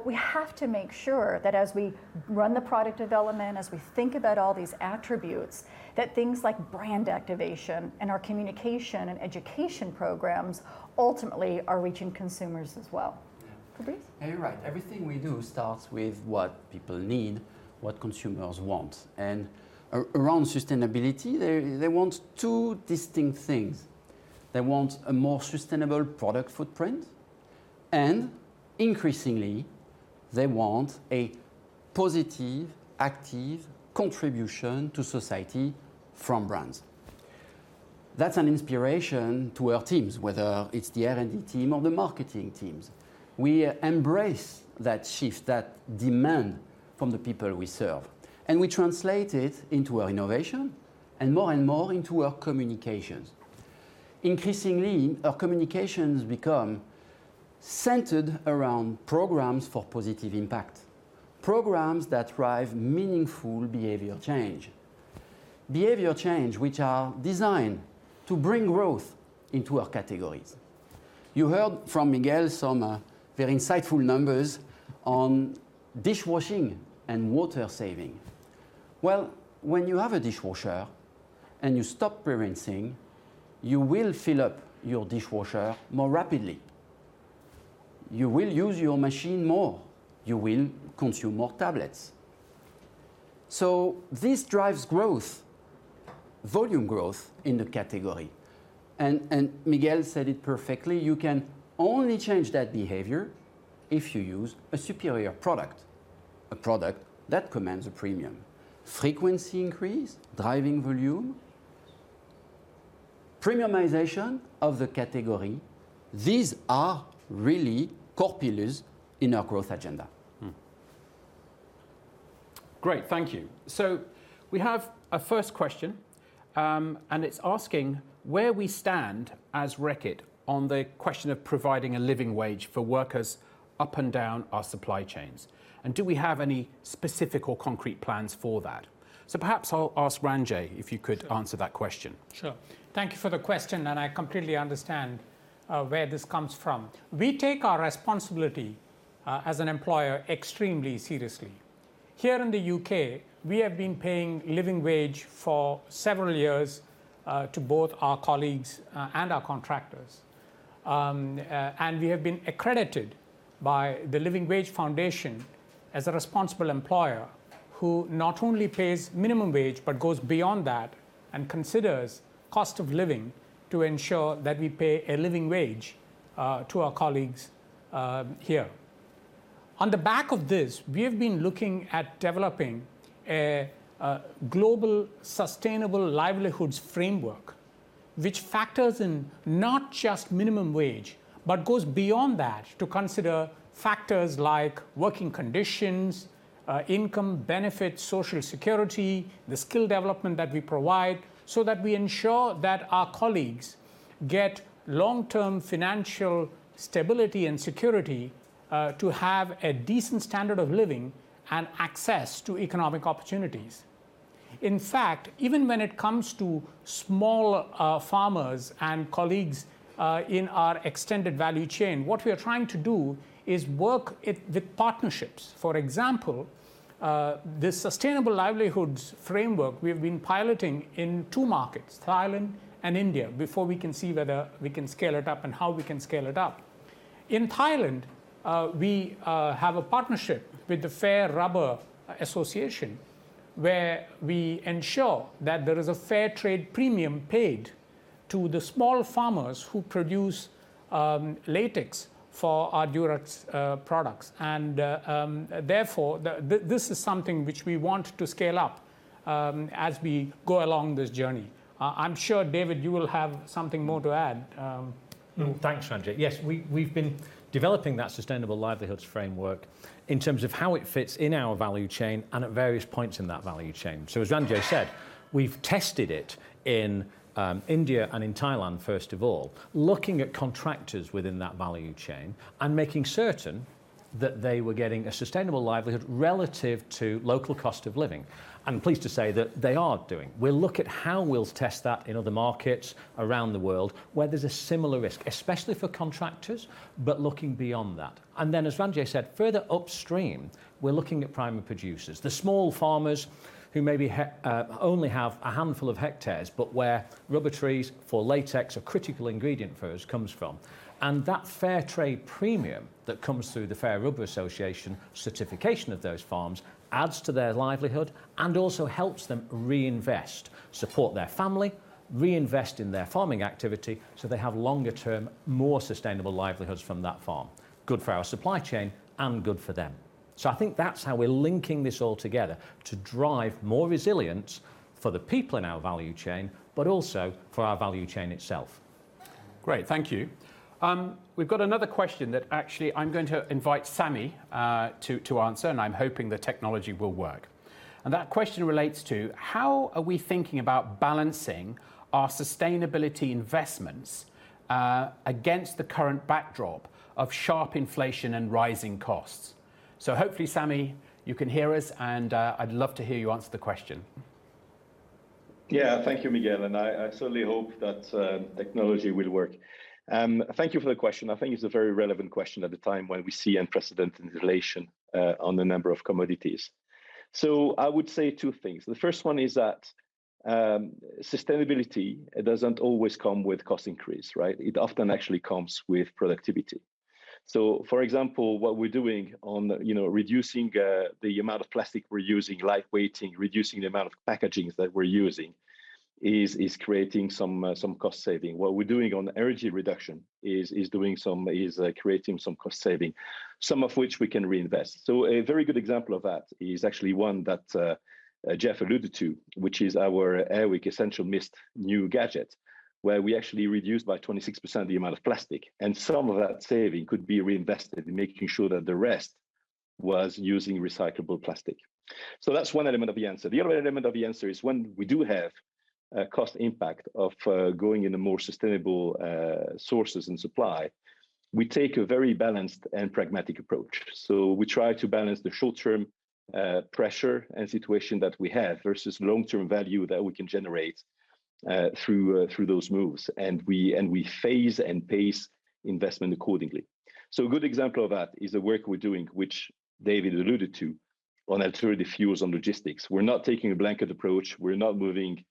We have to make sure that as we run the product development, as we think about all these attributes, that things like brand activation and our communication and education programs ultimately are reaching consumers as well. Fabrice? You're right. Everything we do starts with what people need, what consumers want. Around sustainability, they want two distinct things. They want a more sustainable product footprint, and increasingly, they want a positive, active contribution to society from brands. That's an inspiration to our teams, whether it's the R&D team or the marketing teams. We embrace that shift, that demand from the people we serve, and we translate it into our innovation and more and more into our communications. Increasingly, our communications become centered around programs for positive impact, programs that drive meaningful behavior change. Behavior change, which are designed to bring growth into our categories. You heard from Miguel some very insightful numbers on dishwashing and water saving. Well, when you have a dishwasher and you stop pre-rinsing, you will fill up your dishwasher more rapidly. You will use your machine more. You will consume more tablets. This drives growth, volume growth in the category. Miguel said it perfectly, you can only change that behavior if you use a superior product, a product that commands a premium. Frequency increase, driving volume, premiumization of the category. These are really core pillars in our growth agenda. Mm. Great. Thank you. We have a first question, and it's asking where we stand as Reckitt on the question of providing a living wage for workers up and down our supply chains, and do we have any specific or concrete plans for that? Perhaps I'll ask Ranjay if you could answer that question. Sure. Thank you for the question, and I completely understand where this comes from. We take our responsibility as an employer extremely seriously. Here in the U.K., we have been paying living wage for several years to both our colleagues and our contractors. We have been accredited by the Living Wage Foundation as a responsible employer who not only pays minimum wage but goes beyond that and considers cost of living to ensure that we pay a living wage to our colleagues here. On the back of this, we have been looking at developing a global sustainable livelihoods framework, which factors in not just minimum wage but goes beyond that to consider factors like working conditions, income benefits, social security, the skill development that we provide, so that we ensure that our colleagues get long-term financial stability and security, to have a decent standard of living and access to economic opportunities. In fact, even when it comes to small farmers and colleagues in our extended value chain, what we are trying to do is work it with partnerships. For example, the sustainable livelihoods framework we've been piloting in two markets, Thailand and India, before we can see whether we can scale it up and how we can scale it up. In Thailand, we have a partnership with the Fair Rubber Association, where we ensure that there is a fair trade premium paid to the small farmers who produce latex for our Durex products. Therefore, this is something which we want to scale up as we go along this journey. I'm sure, David, you will have something more to add. Mm. Thanks, Ranjay. Yes, we've been developing that sustainable livelihoods framework in terms of how it fits in our value chain and at various points in that value chain. As Ranjay said, we've tested it in India and in Thailand, first of all, looking at contractors within that value chain and making certain that they were getting a sustainable livelihood relative to local cost of living. I'm pleased to say that they are doing. We'll look at how we'll test that in other markets around the world where there's a similar risk, especially for contractors, but looking beyond that. As Ranjay said, further upstream, we're looking at primary producers, the small farmers who maybe only have a handful of hectares, but where rubber trees for latex, a critical ingredient for us, comes from. that fair trade premium that comes through the Fair Rubber Association certification of those farms adds to their livelihood and also helps them reinvest, support their family, reinvest in their farming activity, so they have longer term, more sustainable livelihoods from that farm. Good for our supply chain and good for them. I think that's how we're linking this all together to drive more resilience for the people in our value chain, but also for our value chain itself. Great. Thank you. We've got another question that actually I'm going to invite Sami to answer, and I'm hoping the technology will work. That question relates to how are we thinking about balancing our sustainability investments against the current backdrop of sharp inflation and rising costs? Hopefully, Sami, you can hear us, and I'd love to hear you answer the question. Yeah. Thank you, Miguel, and I certainly hope that technology will work. Thank you for the question. I think it's a very relevant question at the time when we see unprecedented inflation on a number of commodities. I would say two things. The first one is that, sustainability, it doesn't always come with cost increase, right? It often actually comes with productivity. For example, what we're doing on, you know, reducing the amount of plastic we're using, lightweighting, reducing the amount of packaging that we're using is creating some cost saving. What we're doing on energy reduction is creating some cost saving, some of which we can reinvest. A very good example of that is actually one that Jeff alluded to, which is our Air Wick Essential Mist new gadget, where we actually reduced by 26% the amount of plastic, and some of that saving could be reinvested in making sure that the rest was using recyclable plastic. That's one element of the answer. The other element of the answer is when we do have a cost impact of going into more sustainable sources and supply, we take a very balanced and pragmatic approach. We try to balance the short-term pressure and situation that we have versus long-term value that we can generate through those moves, and we phase and pace investment accordingly. A good example of that is the work we're doing, which David alluded to, on alternative fuels on logistics. We're not taking a blanket approach. We're not moving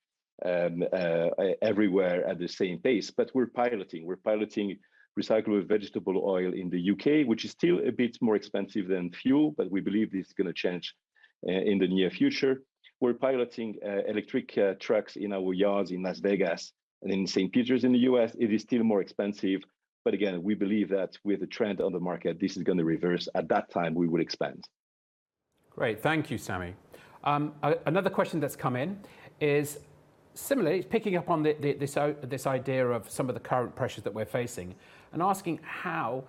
everywhere at the same pace, but we're piloting. We're piloting recycled vegetable oil in the U.K., which is still a bit more expensive than fuel, but we believe this is gonna change in the near future. We're piloting electric trucks in our yards in Las Vegas and in St. Peters in the U.S.. It is still more expensive, but again, we believe that with the trend on the market, this is gonna reverse. At that time, we would expand. Great. Thank you, Sammy. Another question that's come in is similarly it's picking up on this idea of some of the current pressures that we're facing and asking how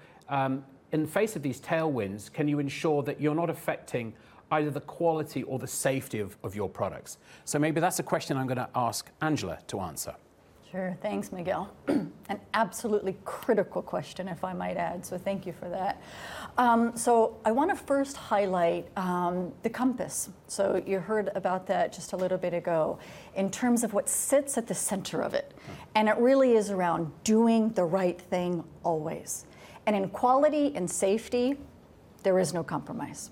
in face of these tailwinds can you ensure that you're not affecting either the quality or the safety of your products? Maybe that's a question I'm gonna ask Angela to answer. Sure. Thanks, Miguel. An absolutely critical question if I might add, so thank you for that. I wanna first highlight the compass, so you heard about that just a little bit ago, in terms of what sits at the center of it, and it really is around doing the right thing always. In quality and safety, there is no compromise.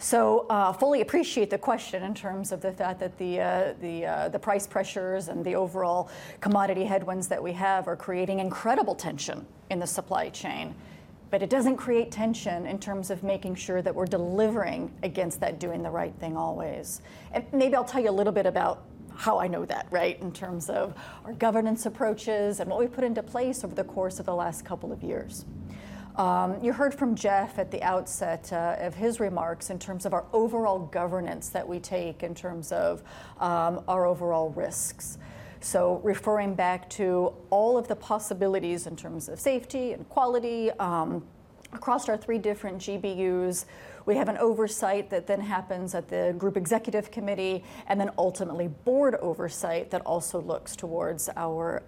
Fully appreciate the question in terms of the fact that the price pressures and the overall commodity headwinds that we have are creating incredible tension in the supply chain. It doesn't create tension in terms of making sure that we're delivering against that doing the right thing always. Maybe I'll tell you a little bit about how I know that, right, in terms of our governance approaches and what we put into place over the course of the last couple of years. You heard from Jeff at the outset of his remarks in terms of our overall governance that we take in terms of our overall risks. Referring back to all of the possibilities in terms of safety and quality across our three different GBUs, we have an oversight that then happens at the group executive committee and then ultimately board oversight that also looks towards our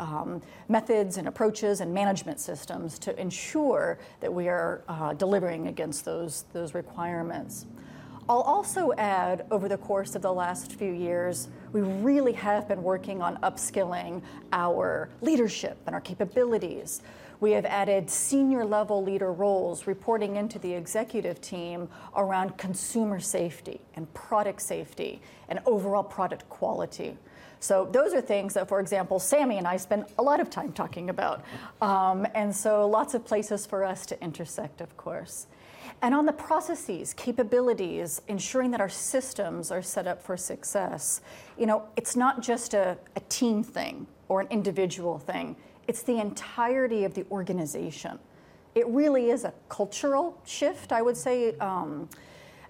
methods and approaches and management systems to ensure that we are delivering against those requirements. I'll also add, over the course of the last few years, we really have been working on upskilling our leadership and our capabilities. We have added senior level leader roles reporting into the executive team around consumer safety and product safety and overall product quality. Those are things that, for example, Sami and I spend a lot of time talking about, and so lots of places for us to intersect, of course. On the processes, capabilities, ensuring that our systems are set up for success, you know, it's not just a team thing or an individual thing. It's the entirety of the organization. It really is a cultural shift, I would say,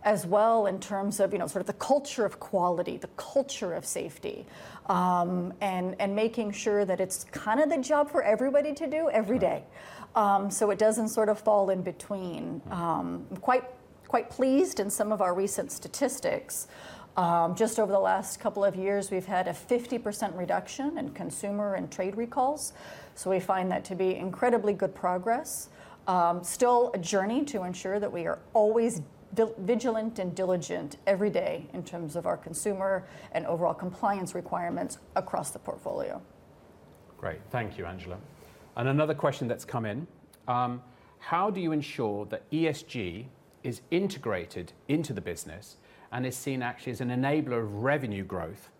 as well in terms of, you know, sort of the culture of quality, the culture of safety, and making sure that it's kind of the job for everybody to do every day, so it doesn't sort of fall in between. I'm quite pleased in some of our recent statistics. Just over the last couple of years, we've had a 50% reduction in consumer and trade recalls, so we find that to be incredibly good progress. Still a journey to ensure that we are always vigilant and diligent every day in terms of our consumer and overall compliance requirements across the portfolio. Great. Thank you, Angela. Another question that's come in, how do you ensure that ESG is integrated into the business and is seen actually as an enabler of revenue growth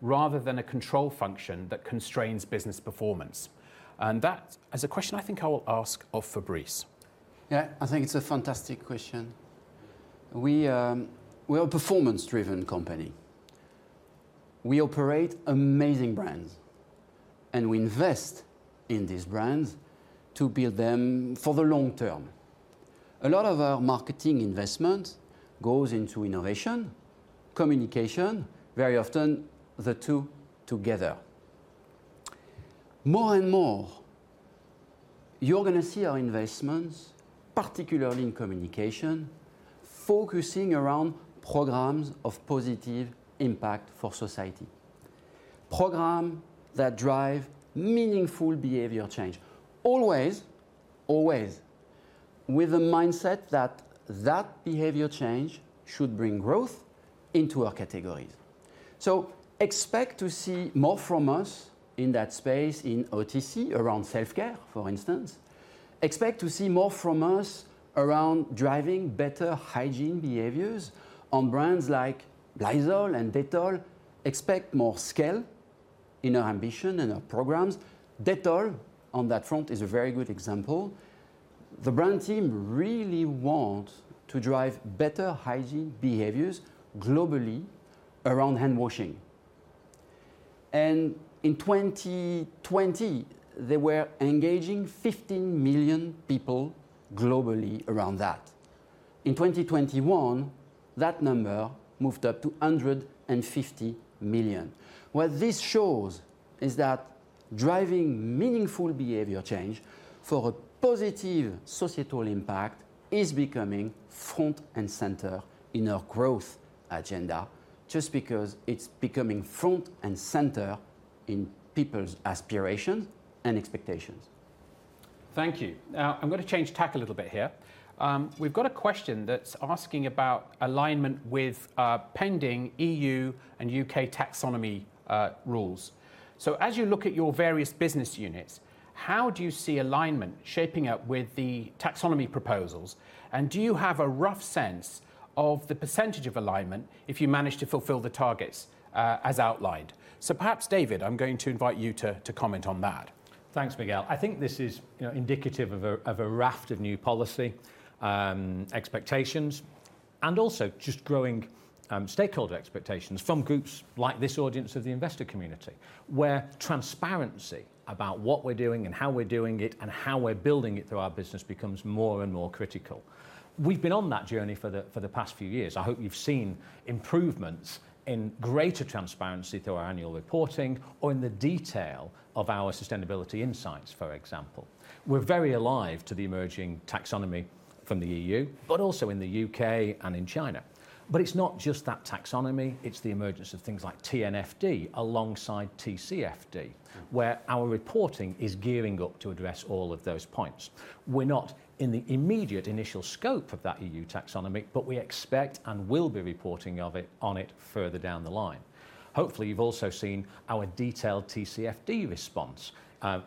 rather than a control function that constrains business performance? That as a question I think I will ask of Fabrice. Yeah, I think it's a fantastic question. We, we're a performance-driven company. We operate amazing brands, and we invest in these brands to build them for the long term. A lot of our marketing investment goes into innovation, communication, very often the two together. More and more, you're gonna see our investments, particularly in communication, focusing around programs of positive impact for society, programs that drive meaningful behavior change. Always with a mindset that behavior change should bring growth into our categories. Expect to see more from us in that space in OTC, around self-care, for instance. Expect to see more from us around driving better hygiene behaviors on brands like Lysol and Dettol. Expect more scale in our ambition and our programs. Dettol on that front is a very good example. The brand team really want to drive better hygiene behaviors globally around hand washing. In 2020, they were engaging 15 million people globally around that. In 2021, that number moved up to 150 million. What this shows is that driving meaningful behavior change for a positive societal impact is becoming front and center in our growth agenda, just because it's becoming front and center in people's aspirations and expectations. Thank you. Now, I'm gonna change tack a little bit here. We've got a question that's asking about alignment with pending EU and U.K. taxonomy rules. As you look at your various business units, how do you see alignment shaping up with the taxonomy proposals? And do you have a rough sense of the percentage of alignment if you manage to fulfill the targets, as outlined? Perhaps David, I'm going to invite you to comment on that. Thanks, Miguel. I think this is, you know, indicative of a raft of new policy expectations, and also just growing stakeholder expectations from groups like this audience of the investor community, where transparency about what we're doing and how we're doing it and how we're building it through our business becomes more and more critical. We've been on that journey for the past few years. I hope you've seen improvements in greater transparency through our annual reporting or in the detail of our sustainability insights, for example. We're very alive to the emerging taxonomy from the EU, but also in the U.K. and in China. It's not just that taxonomy, it's the emergence of things like TNFD alongside TCFD, where our reporting is gearing up to address all of those points. We're not in the immediate initial scope of that EU taxonomy, but we expect and will be reporting of it, on it further down the line. Hopefully, you've also seen our detailed TCFD response,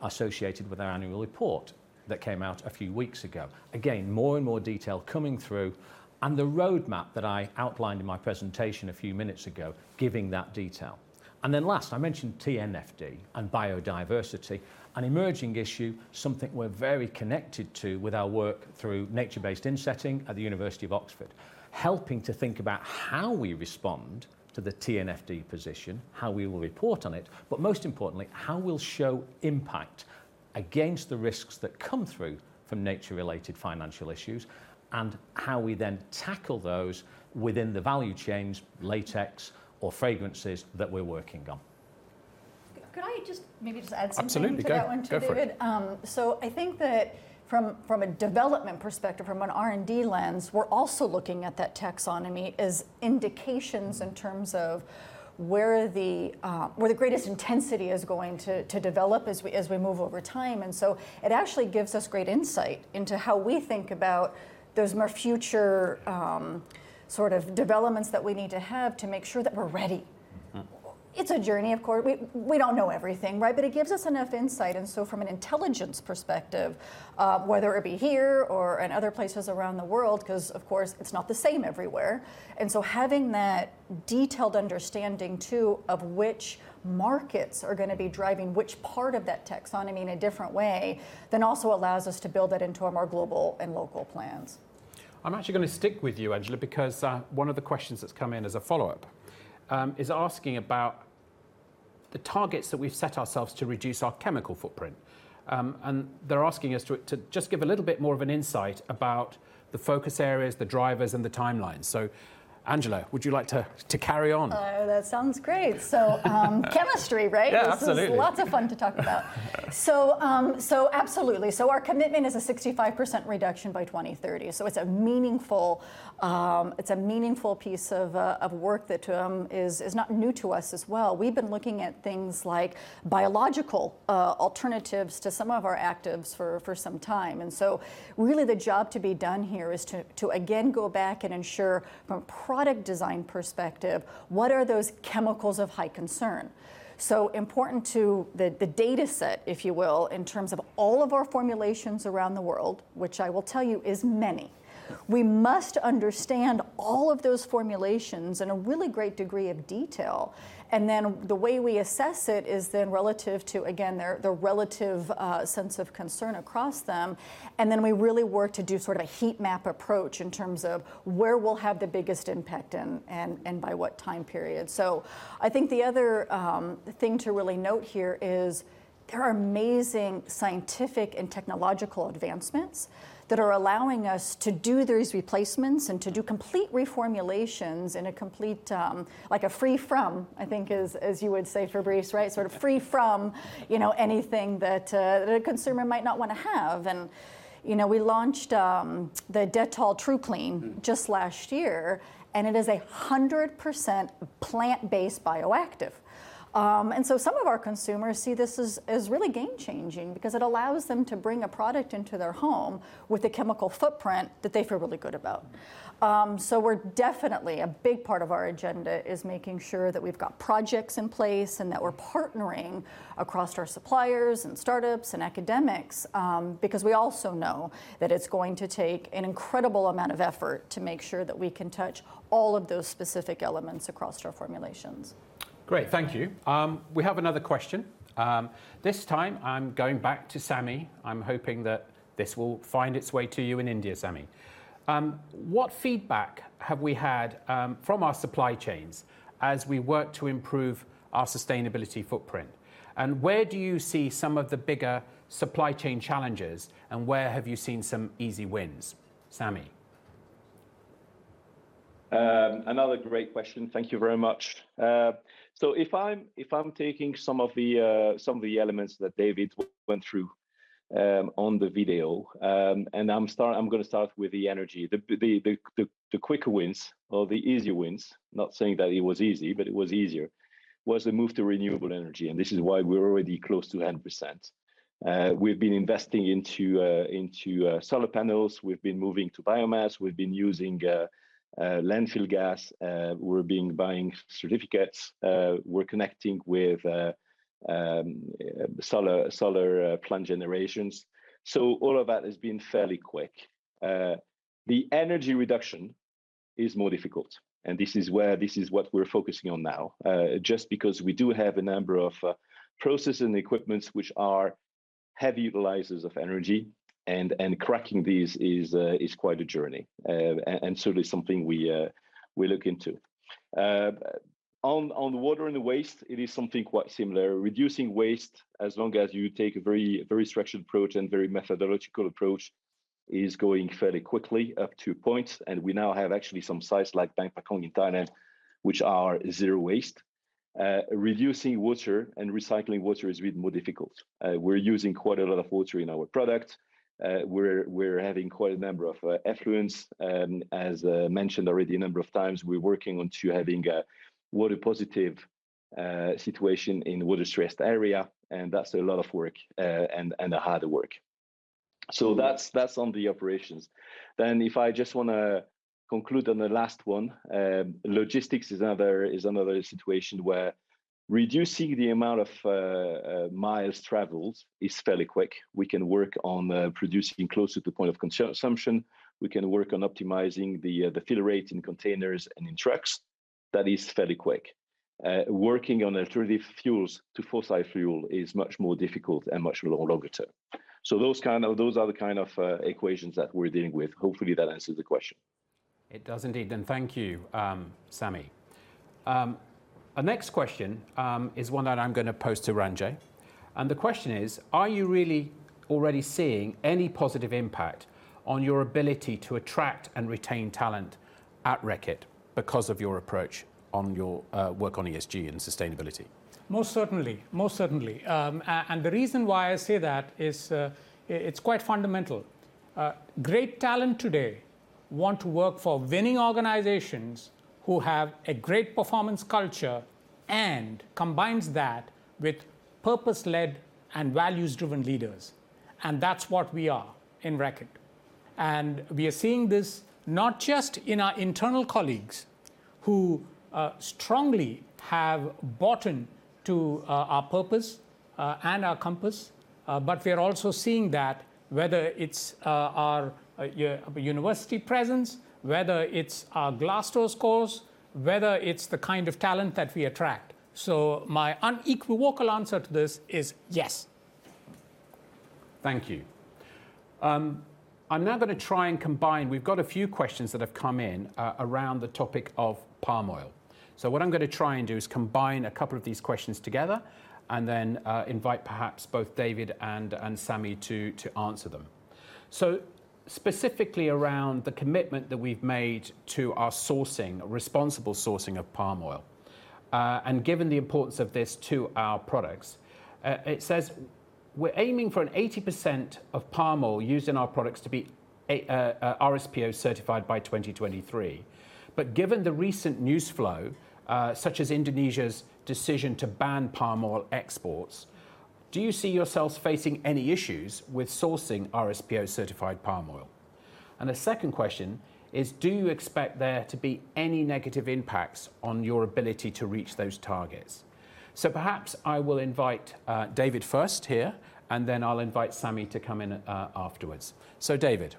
associated with our annual report that came out a few weeks ago. Again, more and more detail coming through, and the roadmap that I outlined in my presentation a few minutes ago giving that detail. Last, I mentioned TNFD and biodiversity, an emerging issue, something we're very connected to with our work through Nature-based Insetting at the University of Oxford, helping to think about how we respond to the TNFD position, how we will report on it, but most importantly, how we'll show impact against the risks that come through from nature-related financial issues, and how we then tackle those within the value chains, latex or fragrances that we're working on. Could I just add something? Absolutely to that one too, David? Go for it. I think that from a development perspective, from an R&D lens, we're also looking at that taxonomy as indications in terms of where the greatest intensity is going to develop as we move over time, and it actually gives us great insight into how we think about those more future sort of developments that we need to have to make sure that we're ready. Mm-hmm. It's a journey, of course. We don't know everything, right? But it gives us enough insight, and so from an intelligence perspective, whether it be here or in other places around the world, 'cause, of course, it's not the same everywhere, and so having that detailed understanding too of which markets are gonna be driving which part of that taxonomy in a different way than also allows us to build that into our more global and local plans. I'm actually gonna stick with you, Angela, because one of the questions that's come in as a follow-up is asking about the targets that we've set ourselves to reduce our chemical footprint. They're asking us to just give a little bit more of an insight about the focus areas, the drivers, and the timelines. Angela, would you like to carry on? Oh, that sounds great. Chemistry, right? Yeah, absolutely. This is lots of fun to talk about. Absolutely. Our commitment is a 65% reduction by 2030. It's a meaningful piece of work that is not new to us as well. We've been looking at things like biological alternatives to some of our actives for some time. Really the job to be done here is to again go back and ensure from a product design perspective, what are those chemicals of high concern? Important to the dataset, if you will, in terms of all of our formulations around the world, which I will tell you is many. We must understand all of those formulations in a really great degree of detail, and then the way we assess it is then relative to, again, the relative sense of concern across them, and then we really work to do sort of a heat map approach in terms of where we'll have the biggest impact and by what time period. I think the other thing to really note here is there are amazing scientific and technological advancements that are allowing us to do these replacements and to do complete reformulations in a complete. Like a free-from, I think is you would say for brands, right? Sort of free-from, you know, anything that a consumer might not wanna have. You know, we launched the Dettol Tru Clean just last year, and it is a 100% plant-based bioactive. Some of our consumers see this as really game-changing because it allows them to bring a product into their home with a chemical footprint that they feel really good about. We're definitely a big part of our agenda is making sure that we've got projects in place and that we're partnering across our suppliers and startups and academics, because we also know that it's going to take an incredible amount of effort to make sure that we can touch all of those specific elements across our formulations. Great. Thank you. We have another question. This time I'm going back to Sami. I'm hoping that this will find its way to you in India, Sami. What feedback have we had from our supply chains as we work to improve our sustainability footprint? Where do you see some of the bigger supply chain challenges, and where have you seen some easy wins? Sami? Another great question. Thank you very much. If I'm taking some of the elements that David went through on the video, and I'm gonna start with the energy. The quick wins or the easy wins, not saying that it was easy, but it was easier, was the move to renewable energy, and this is why we're already close to 100%. We've been investing into solar panels. We've been moving to biomass. We've been using landfill gas. We've been buying certificates. We're connecting with solar plant generations. All of that has been fairly quick. The energy reduction is more difficult, and this is where, this is what we're focusing on now, just because we do have a number of processing equipments which are heavy utilizers of energy and cracking these is quite a journey. Certainly something we look into. On water and the waste, it is something quite similar. Reducing waste, as long as you take a very, very structured approach and very methodological approach, is going fairly quickly up to points, and we now have actually some sites like Bang Pakong in Thailand, which are zero waste. Reducing water and recycling water is a bit more difficult. We're using quite a lot of water in our product. We're having quite a number of effluents. As mentioned already a number of times, we're working on to having a water positive situation in water-stressed area, and that's a lot of work, and a harder work. That's on the operations. If I just wanna conclude on the last one, logistics is another situation where reducing the amount of miles traveled is fairly quick. We can work on producing closer to point of consumption. We can work on optimizing the fill rate in containers and in trucks. That is fairly quick. Working on alternative fuels to fossil fuel is much more difficult and much longer term. Those are the kind of equations that we're dealing with. Hopefully that answers the question. It does indeed, and thank you, Sami. Our next question is one that I'm gonna pose to Ranjay. The question is, are you really already seeing any positive impact on your ability to attract and retain talent at Reckitt because of your approach on your work on ESG and sustainability? Most certainly. The reason why I say that is, it's quite fundamental. Great talent today want to work for winning organizations who have a great performance culture and combines that with purpose-led and values-driven leaders, and that's what we are in Reckitt. We are seeing this not just in our internal colleagues, who strongly have bought into our purpose and our compass, but we are also seeing that whether it's our university presence, whether it's our Glassdoor scores, whether it's the kind of talent that we attract. My unequivocal answer to this is yes. Thank you. I'm now gonna try and combine, we've got a few questions that have come in, around the topic of palm oil. What I'm gonna try and do is combine a couple of these questions together and then, invite perhaps both David and Sammy to answer them. Specifically around the commitment that we've made to our sourcing, responsible sourcing of palm oil, and given the importance of this to our products, it says, "We're aiming for an 80% of palm oil used in our products to be RSPO certified by 2023. Given the recent news flow, such as Indonesia's decision to ban palm oil exports, do you see yourselves facing any issues with sourcing RSPO certified palm oil? And the second question is, Do you expect there to be any negative impacts on your ability to reach those targets? Perhaps I will invite David first here, and then I'll invite Sami to come in afterwards. David.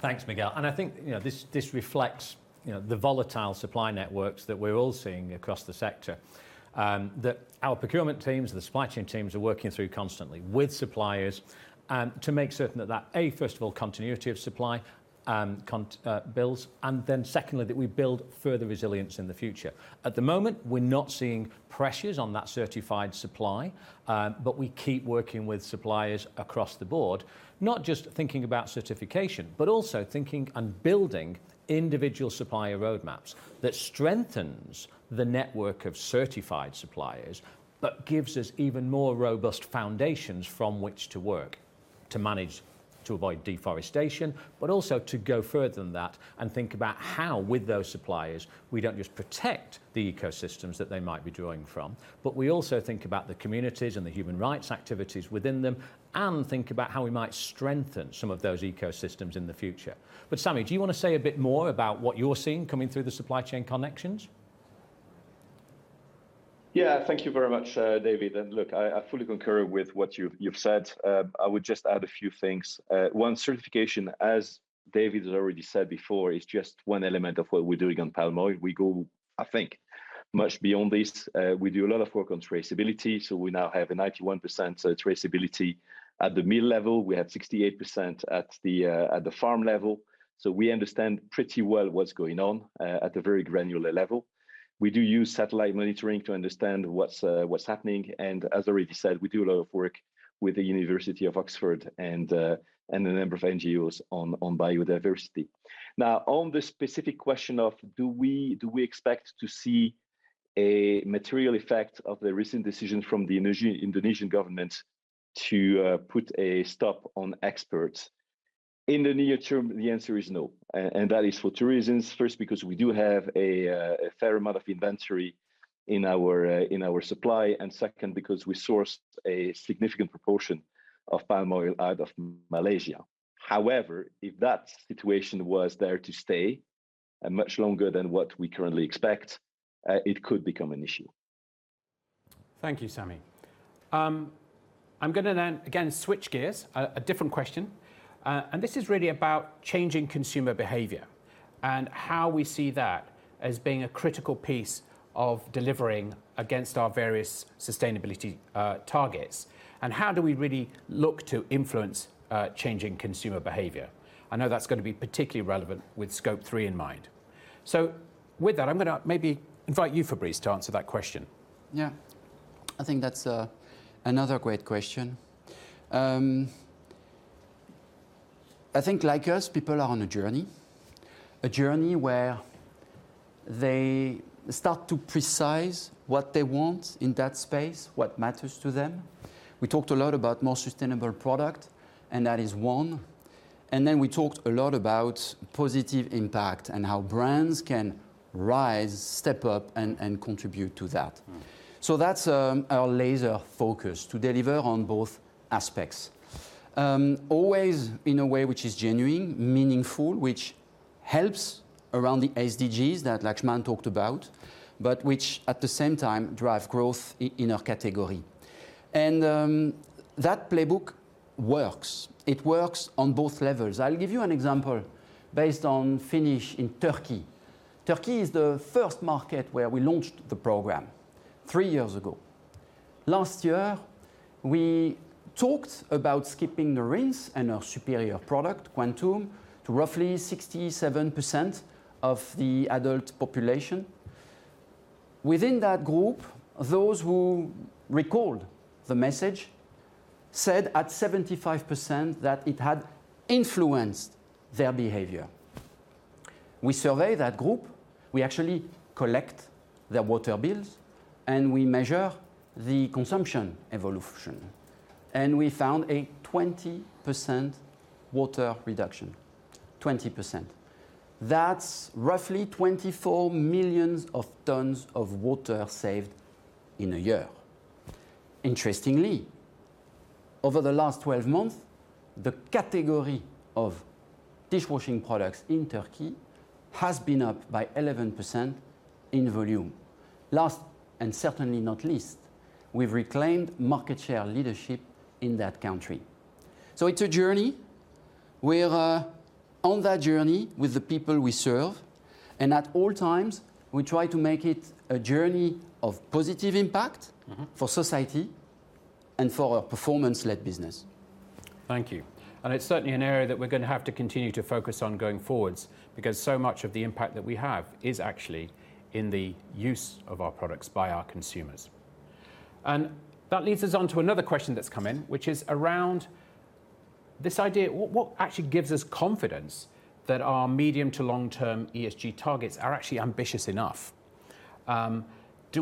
Thanks, Miguel. I think, you know, this reflects, you know, the volatile supply networks that we're all seeing across the sector, that our procurement teams, the supply chain teams are working through constantly with suppliers and to make certain that, A, first of all, continuity of supply, builds, and then secondly, that we build further resilience in the future. At the moment, we're not seeing pressures on that certified supply, but we keep working with suppliers across the board, not just thinking about certification, but also thinking and building individual supplier roadmaps that strengthens the network of certified suppliers but gives us even more robust foundations from which to work. To manage to avoid deforestation, but also to go further than that and think about how, with those suppliers, we don't just protect the ecosystems that they might be drawing from, but we also think about the communities and the human rights activities within them, and think about how we might strengthen some of those ecosystems in the future. Sami, do you wanna say a bit more about what you're seeing coming through the supply chain connections? Yeah. Thank you very much, David. I fully concur with what you've said. I would just add a few things. One, certification, as David has already said before, is just one element of what we're doing on palm oil. We go, I think, much beyond this. We do a lot of work on traceability, so we now have 91% traceability at the mill level. We have 68% at the farm level, so we understand pretty well what's going on at the very granular level. We do use satellite monitoring to understand what's happening, and as I already said, we do a lot of work with the University of Oxford and a number of NGOs on biodiversity. Now, on the specific question of do we expect to see a material effect of the recent decision from the Indonesian government to put a stop on exports, in the near term the answer is no, and that is for two reasons. First, because we do have a fair amount of inventory in our supply, and second, because we source a significant proportion of palm oil out of Malaysia. However, if that situation was there to stay, and much longer than what we currently expect, it could become an issue. Thank you, Sami. I'm gonna now again switch gears, a different question. This is really about changing consumer behavior and how we see that as being a critical piece of delivering against our various sustainability targets, and how do we really look to influence changing consumer behavior. I know that's gonna be particularly relevant with Scope 3 in mind. With that, I'm gonna maybe invite you, Fabrice, to answer that question. Yeah. I think that's another great question. I think like us, people are on a journey where they start to precise what they want in that space, what matters to them. We talked a lot about more sustainable product, and that is one, and then we talked a lot about positive impact and how brands can rise, step up, and contribute to that. Mm. That's our laser focus, to deliver on both aspects, always in a way which is genuine, meaningful, which helps around the SDGs that Laxman talked about, but which at the same time drive growth in our category. That playbook works. It works on both levels. I'll give you an example based on Finish in Turkey. Turkey is the first market where we launched the program three years ago. Last year, we talked about skipping the rinse and our superior product, Quantum, to roughly 67% of the adult population. Within that group, those who recalled the message said at 75% that it had influenced their behavior. We survey that group, we actually collect their water bills, and we measure the consumption evolution, and we found a 20% water reduction. 20%. That's roughly 24 million tons of water saved in a year. Interestingly, over the last 12 month, the category of dishwashing products in Turkey has been up by 11% in volume. Last, and certainly not least, we've reclaimed market share leadership in that country. It's a journey. We're on that journey with the people we serve, and at all times we try to make it a journey of positive impact. Mm-hmm for society and for a performance-led business. Thank you. It's certainly an area that we're gonna have to continue to focus on going forwards because so much of the impact that we have is actually in the use of our products by our consumers. That leads us on to another question that's come in, which is around this idea, what actually gives us confidence that our medium to long term ESG targets are actually ambitious enough? Are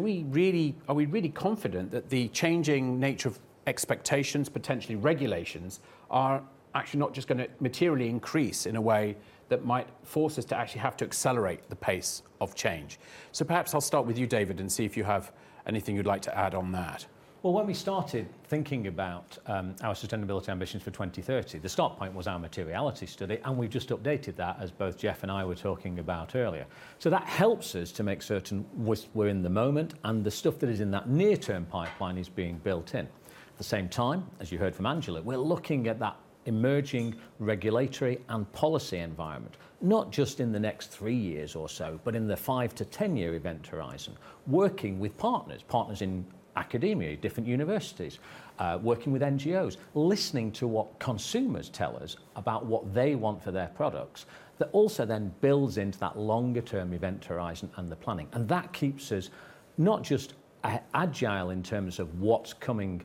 we really confident that the changing nature of expectations, potentially regulations, are actually not just gonna materially increase in a way that might force us to actually have to accelerate the pace of change? Perhaps I'll start with you, David, and see if you have anything you'd like to add on that. Well, when we started thinking about our sustainability ambitions for 2030, the start point was our materiality study, and we've just updated that, as both Jeff and I were talking about earlier. That helps us to make certain we're in the moment and the stuff that is in that near term pipeline is being built in. At the same time, as you heard from Angela, we're looking at that emerging regulatory and policy environment, not just in the next three years or so, but in the five to 10-year event horizon, working with partners in academia, different universities, working with NGOs, listening to what consumers tell us about what they want for their products. That also then builds into that longer-term event horizon and the planning, and that keeps us not just agile in terms of what's coming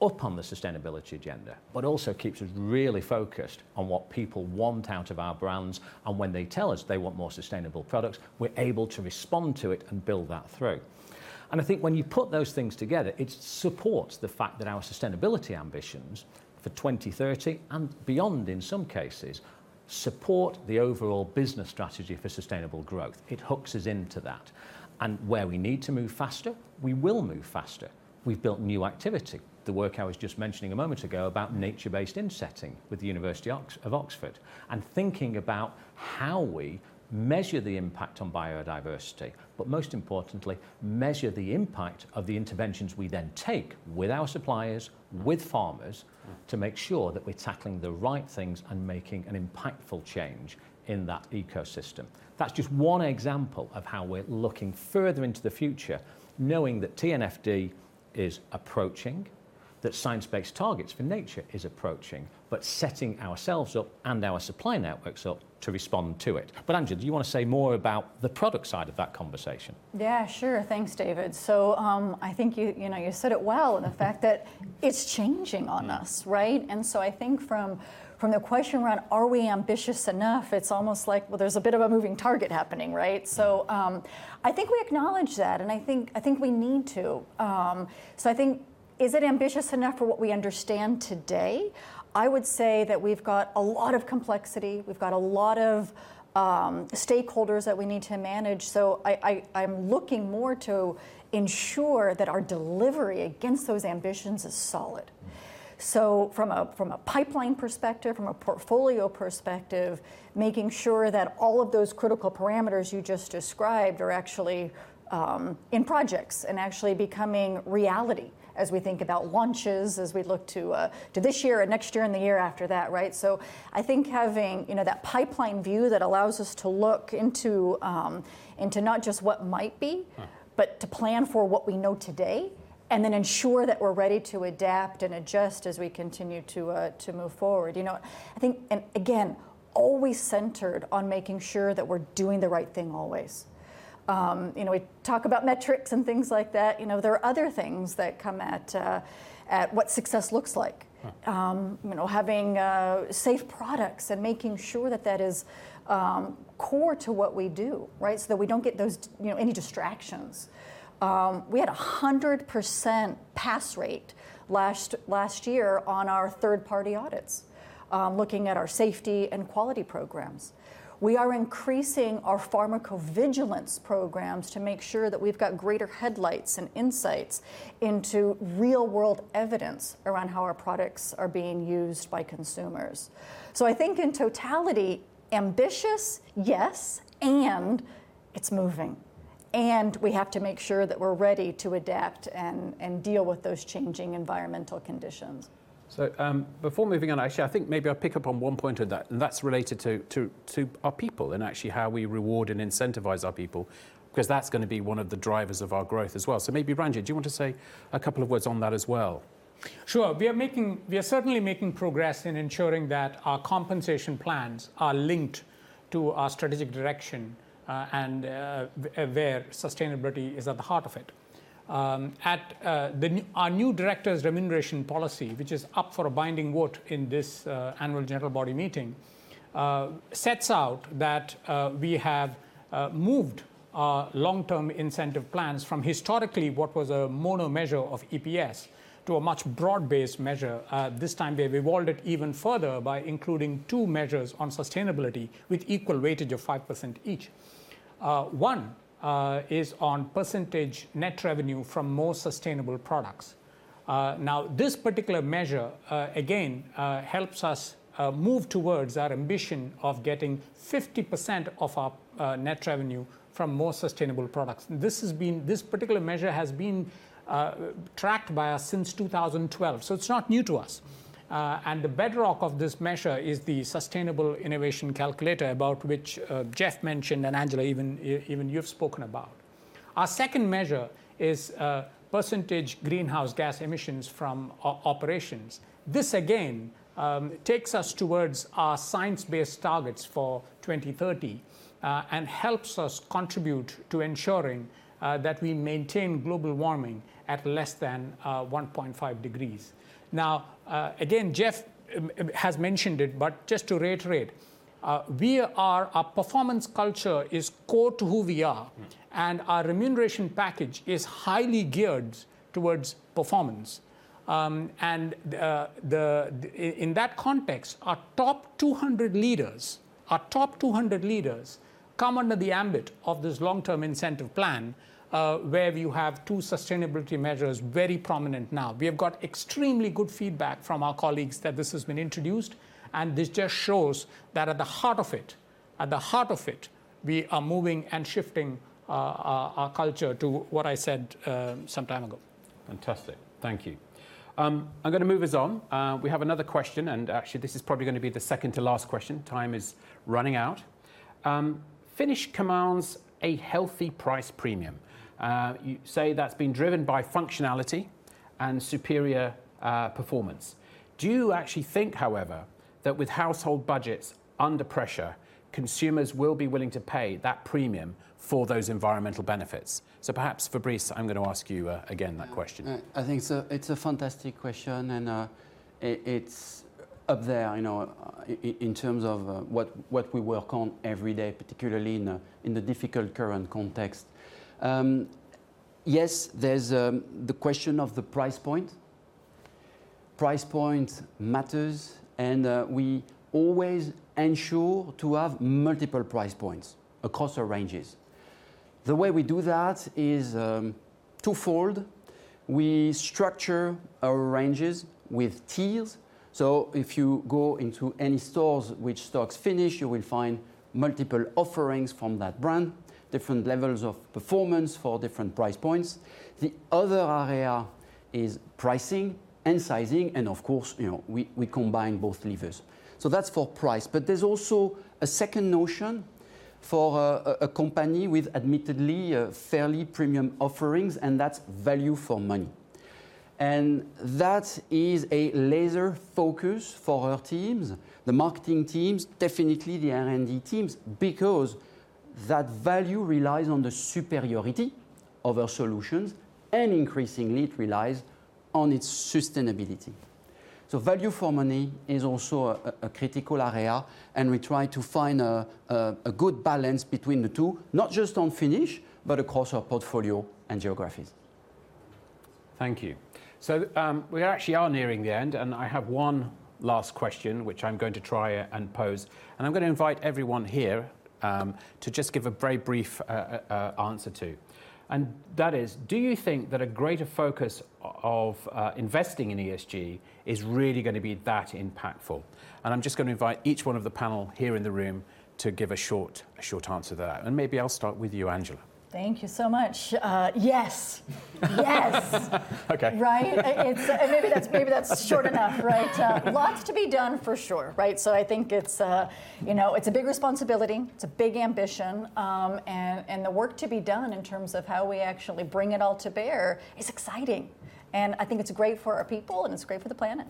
up on the sustainability agenda, but also keeps us really focused on what people want out of our brands, and when they tell us they want more sustainable products, we're able to respond to it and build that through. I think when you put those things together, it supports the fact that our sustainability ambitions for 2030, and beyond in some cases, support the overall business strategy for sustainable growth. It hooks us into that, and where we need to move faster, we will move faster. We've built new activity. The work I was just mentioning a moment ago about nature-based insetting with the University of Oxford, and thinking about how we measure the impact on biodiversity, but most importantly, measure the impact of the interventions we then take with our suppliers, with farmers, to make sure that we're tackling the right things and making an impactful change in that ecosystem. That's just one example of how we're looking further into the future knowing that TNFD is approaching, that science-based targets for nature is approaching, but setting ourselves up and our supply networks up to respond to it. Angela, do you wanna say more about the product side of that conversation? Yeah, sure. Thanks, David. I think you know, you said it well, the fact that it's changing on us, right? I think from the question around are we ambitious enough, it's almost like, well, there's a bit of a moving target happening, right? I think we acknowledge that, and I think we need to. I think is it ambitious enough for what we understand today? I would say that we've got a lot of complexity. We've got a lot of stakeholders that we need to manage. I'm looking more to ensure that our delivery against those ambitions is solid. From a pipeline perspective, from a portfolio perspective, making sure that all of those critical parameters you just described are actually in projects and actually becoming reality as we think about launches, as we look to this year and next year and the year after that, right? I think having, you know, that pipeline view that allows us to look into not just what might be. Mm To plan for what we know today, and then ensure that we're ready to adapt and adjust as we continue to move forward. You know, I think, and again, always centered on making sure that we're doing the right thing always. You know, we talk about metrics and things like that, you know. There are other things that come into what success looks like. Mm. You know, having safe products and making sure that that is core to what we do, right? That we don't get those, you know, any distractions. We had a 100% pass rate last year on our third-party audits, looking at our safety and quality programs. We are increasing our pharmacovigilance programs to make sure that we've got greater headlights and insights into real-world evidence around how our products are being used by consumers. I think in totality, ambitious, yes, and it's moving, and we have to make sure that we're ready to adapt and deal with those changing environmental conditions. Before moving on, actually, I think maybe I'll pick up on one point of that, and that's related to our people and actually how we reward and incentivize our people 'cause that's gonna be one of the drivers of our growth as well. Maybe Ranjay, do you want to say a couple of words on that as well? Sure. We are certainly making progress in ensuring that our compensation plans are linked to our strategic direction, and where sustainability is at the heart of it. Our new directors' remuneration policy, which is up for a binding vote in this annual general meeting, sets out that we have moved our long-term incentive plans from historically what was a mono measure of EPS to a much broad-based measure. This time we've evolved it even further by including two measures on sustainability with equal weighting of 5% each. One is on percentage net revenue from more sustainable products. Now, this particular measure again helps us move towards our ambition of getting 50% of our net revenue from more sustainable products. This has been. This particular measure has been tracked by us since 2012, so it's not new to us. The bedrock of this measure is the Sustainable Innovation Calculator about which Jeff mentioned, and Angela, even you've spoken about. Our second measure is percentage greenhouse gas emissions from operations. This again takes us towards our science-based targets for 2030 and helps us contribute to ensuring that we maintain global warming at less than 1.5 degrees. Now, again, Jeff has mentioned it, but just to reiterate, our performance culture is core to who we are. Mm. Our remuneration package is highly geared toward performance. In that context, our top 200 leaders come under the ambit of this long-term incentive plan, where you have two sustainability measures very prominent now. We have got extremely good feedback from our colleagues that this has been introduced, and this just shows that at the heart of it, we are moving and shifting our culture to what I said some time ago. Fantastic. Thank you. I'm gonna move us on. We have another question, and actually this is probably gonna be the second to last question. Time is running out. Finish commands a healthy price premium. You say that's been driven by functionality. Superior performance. Do you actually think, however, that with household budgets under pressure, consumers will be willing to pay that premium for those environmental benefits? Perhaps, Fabrice, I'm gonna ask you again that question. I think so. It's a fantastic question, and it's up there, you know, in terms of what we work on every day, particularly in the difficult current context. Yes, there's the question of the price point. Price point matters, and we always ensure to have multiple price points across our ranges. The way we do that is twofold. We structure our ranges with tiers, so if you go into any stores which stocks Finish, you will find multiple offerings from that brand, different levels of performance for different price points. The other area is pricing and sizing, and of course, you know, we combine both levers. That's for price, but there's also a second notion for a company with admittedly a fairly premium offerings, and that's value for money. That is a laser focus for our teams, the marketing teams, definitely the R&D teams because that value relies on the superiority of our solutions and increasingly it relies on its sustainability. Value for money is also a critical area, and we try to find a good balance between the two, not just on Finish, but across our portfolio and geographies. Thank you. We actually are nearing the end, and I have one last question, which I'm going to try and pose, and I'm gonna invite everyone here to just give a very brief answer to. That is: Do you think that a greater focus of investing in ESG is really gonna be that impactful? I'm just gonna invite each one of the panel here in the room to give a short answer to that. Maybe I'll start with you, Angela. Thank you so much. Yes. Yes. Okay. Right? Maybe that's short enough, right? Lots to be done for sure, right? I think it's, you know, it's a big responsibility, it's a big ambition, and the work to be done in terms of how we actually bring it all to bear is exciting, and I think it's great for our people and it's great for the planet.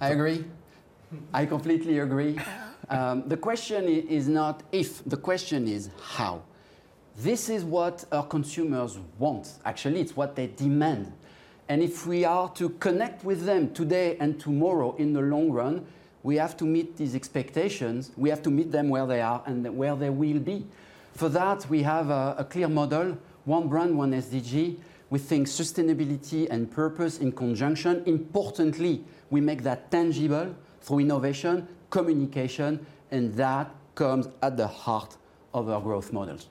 I agree. I completely agree. The question is not if, the question is how. This is what our consumers want. Actually, it's what they demand. If we are to connect with them today and tomorrow in the long run, we have to meet these expectations, we have to meet them where they are and where they will be. For that, we have a clear model, one brand, one SDG. We think sustainability and purpose in conjunction. Importantly, we make that tangible through innovation, communication, and that comes at the heart of our growth models.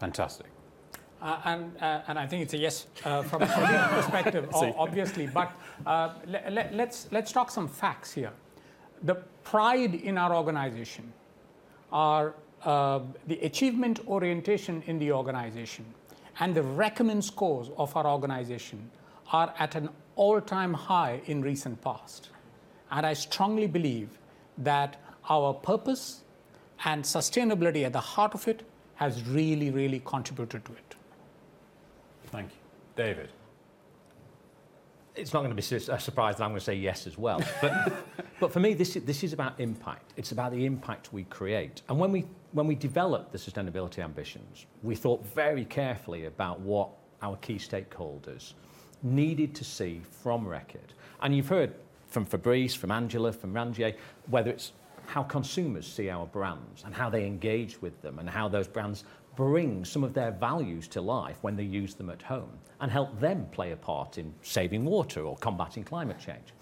Fantastic. I think it's a yes from a consumer perspective obviously. See. Let's talk some facts here. The pride in our organization, the achievement orientation in the organization, and the recommendation scores of our organization are at an all-time high in recent past, and I strongly believe that our purpose and sustainability at the heart of it has really, really contributed to it. Thank you. David? It's not gonna be such a surprise that I'm gonna say yes as well. For me, this is about impact. It's about the impact we create. When we developed the sustainability ambitions, we thought very carefully about what our key stakeholders needed to see from Reckitt. You've heard from Fabrice, from Angela, from Ranjay, whether it's how consumers see our brands and how they engage with them and how those brands bring some of their values to life when they use them at home and help them play a part in saving water or combating climate change.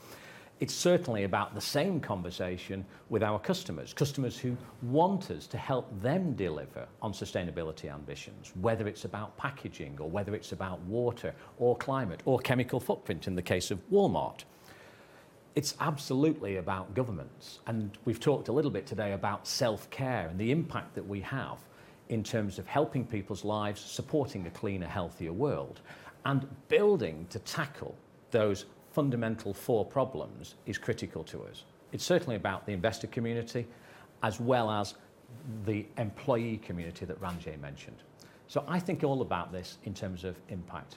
It's certainly about the same conversation with our customers who want us to help them deliver on sustainability ambitions, whether it's about packaging or whether it's about water or climate or chemical footprint in the case of Walmart. It's absolutely about governments, and we've talked a little bit today about self-care and the impact that we have in terms of helping people's lives, supporting a cleaner, healthier world. Building to tackle those fundamental four problems is critical to us. It's certainly about the investor community, as well as the employee community that Ranjay mentioned. I think all about this in terms of impact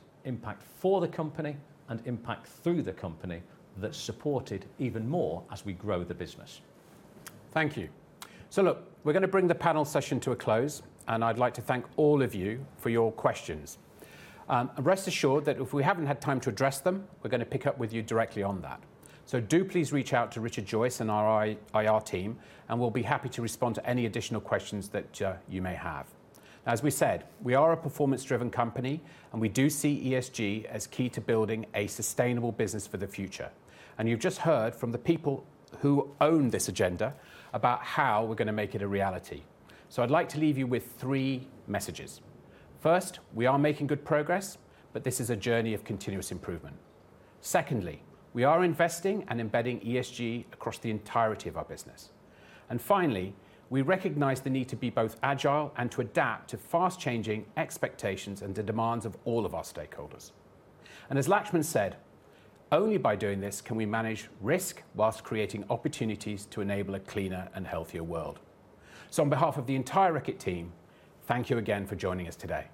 for the company and impact through the company that's supported even more as we grow the business. Thank you. Look, we're gonna bring the panel session to a close, and I'd like to thank all of you for your questions. Rest assured that if we haven't had time to address them, we're gonna pick up with you directly on that. Do please reach out to Richard Joyce and our IR team, and we'll be happy to respond to any additional questions that, you may have. As we said, we are a performance-driven company, and we do see ESG as key to building a sustainable business for the future. You've just heard from the people who own this agenda about how we're gonna make it a reality. I'd like to leave you with three messages. First, we are making good progress, but this is a journey of continuous improvement. Secondly, we are investing and embedding ESG across the entirety of our business. Finally, we recognize the need to be both agile and to adapt to fast-changing expectations and the demands of all of our stakeholders. As Laxman said, only by doing this can we manage risk whilst creating opportunities to enable a cleaner and healthier world. On behalf of the entire Reckitt team, thank you again for joining us today.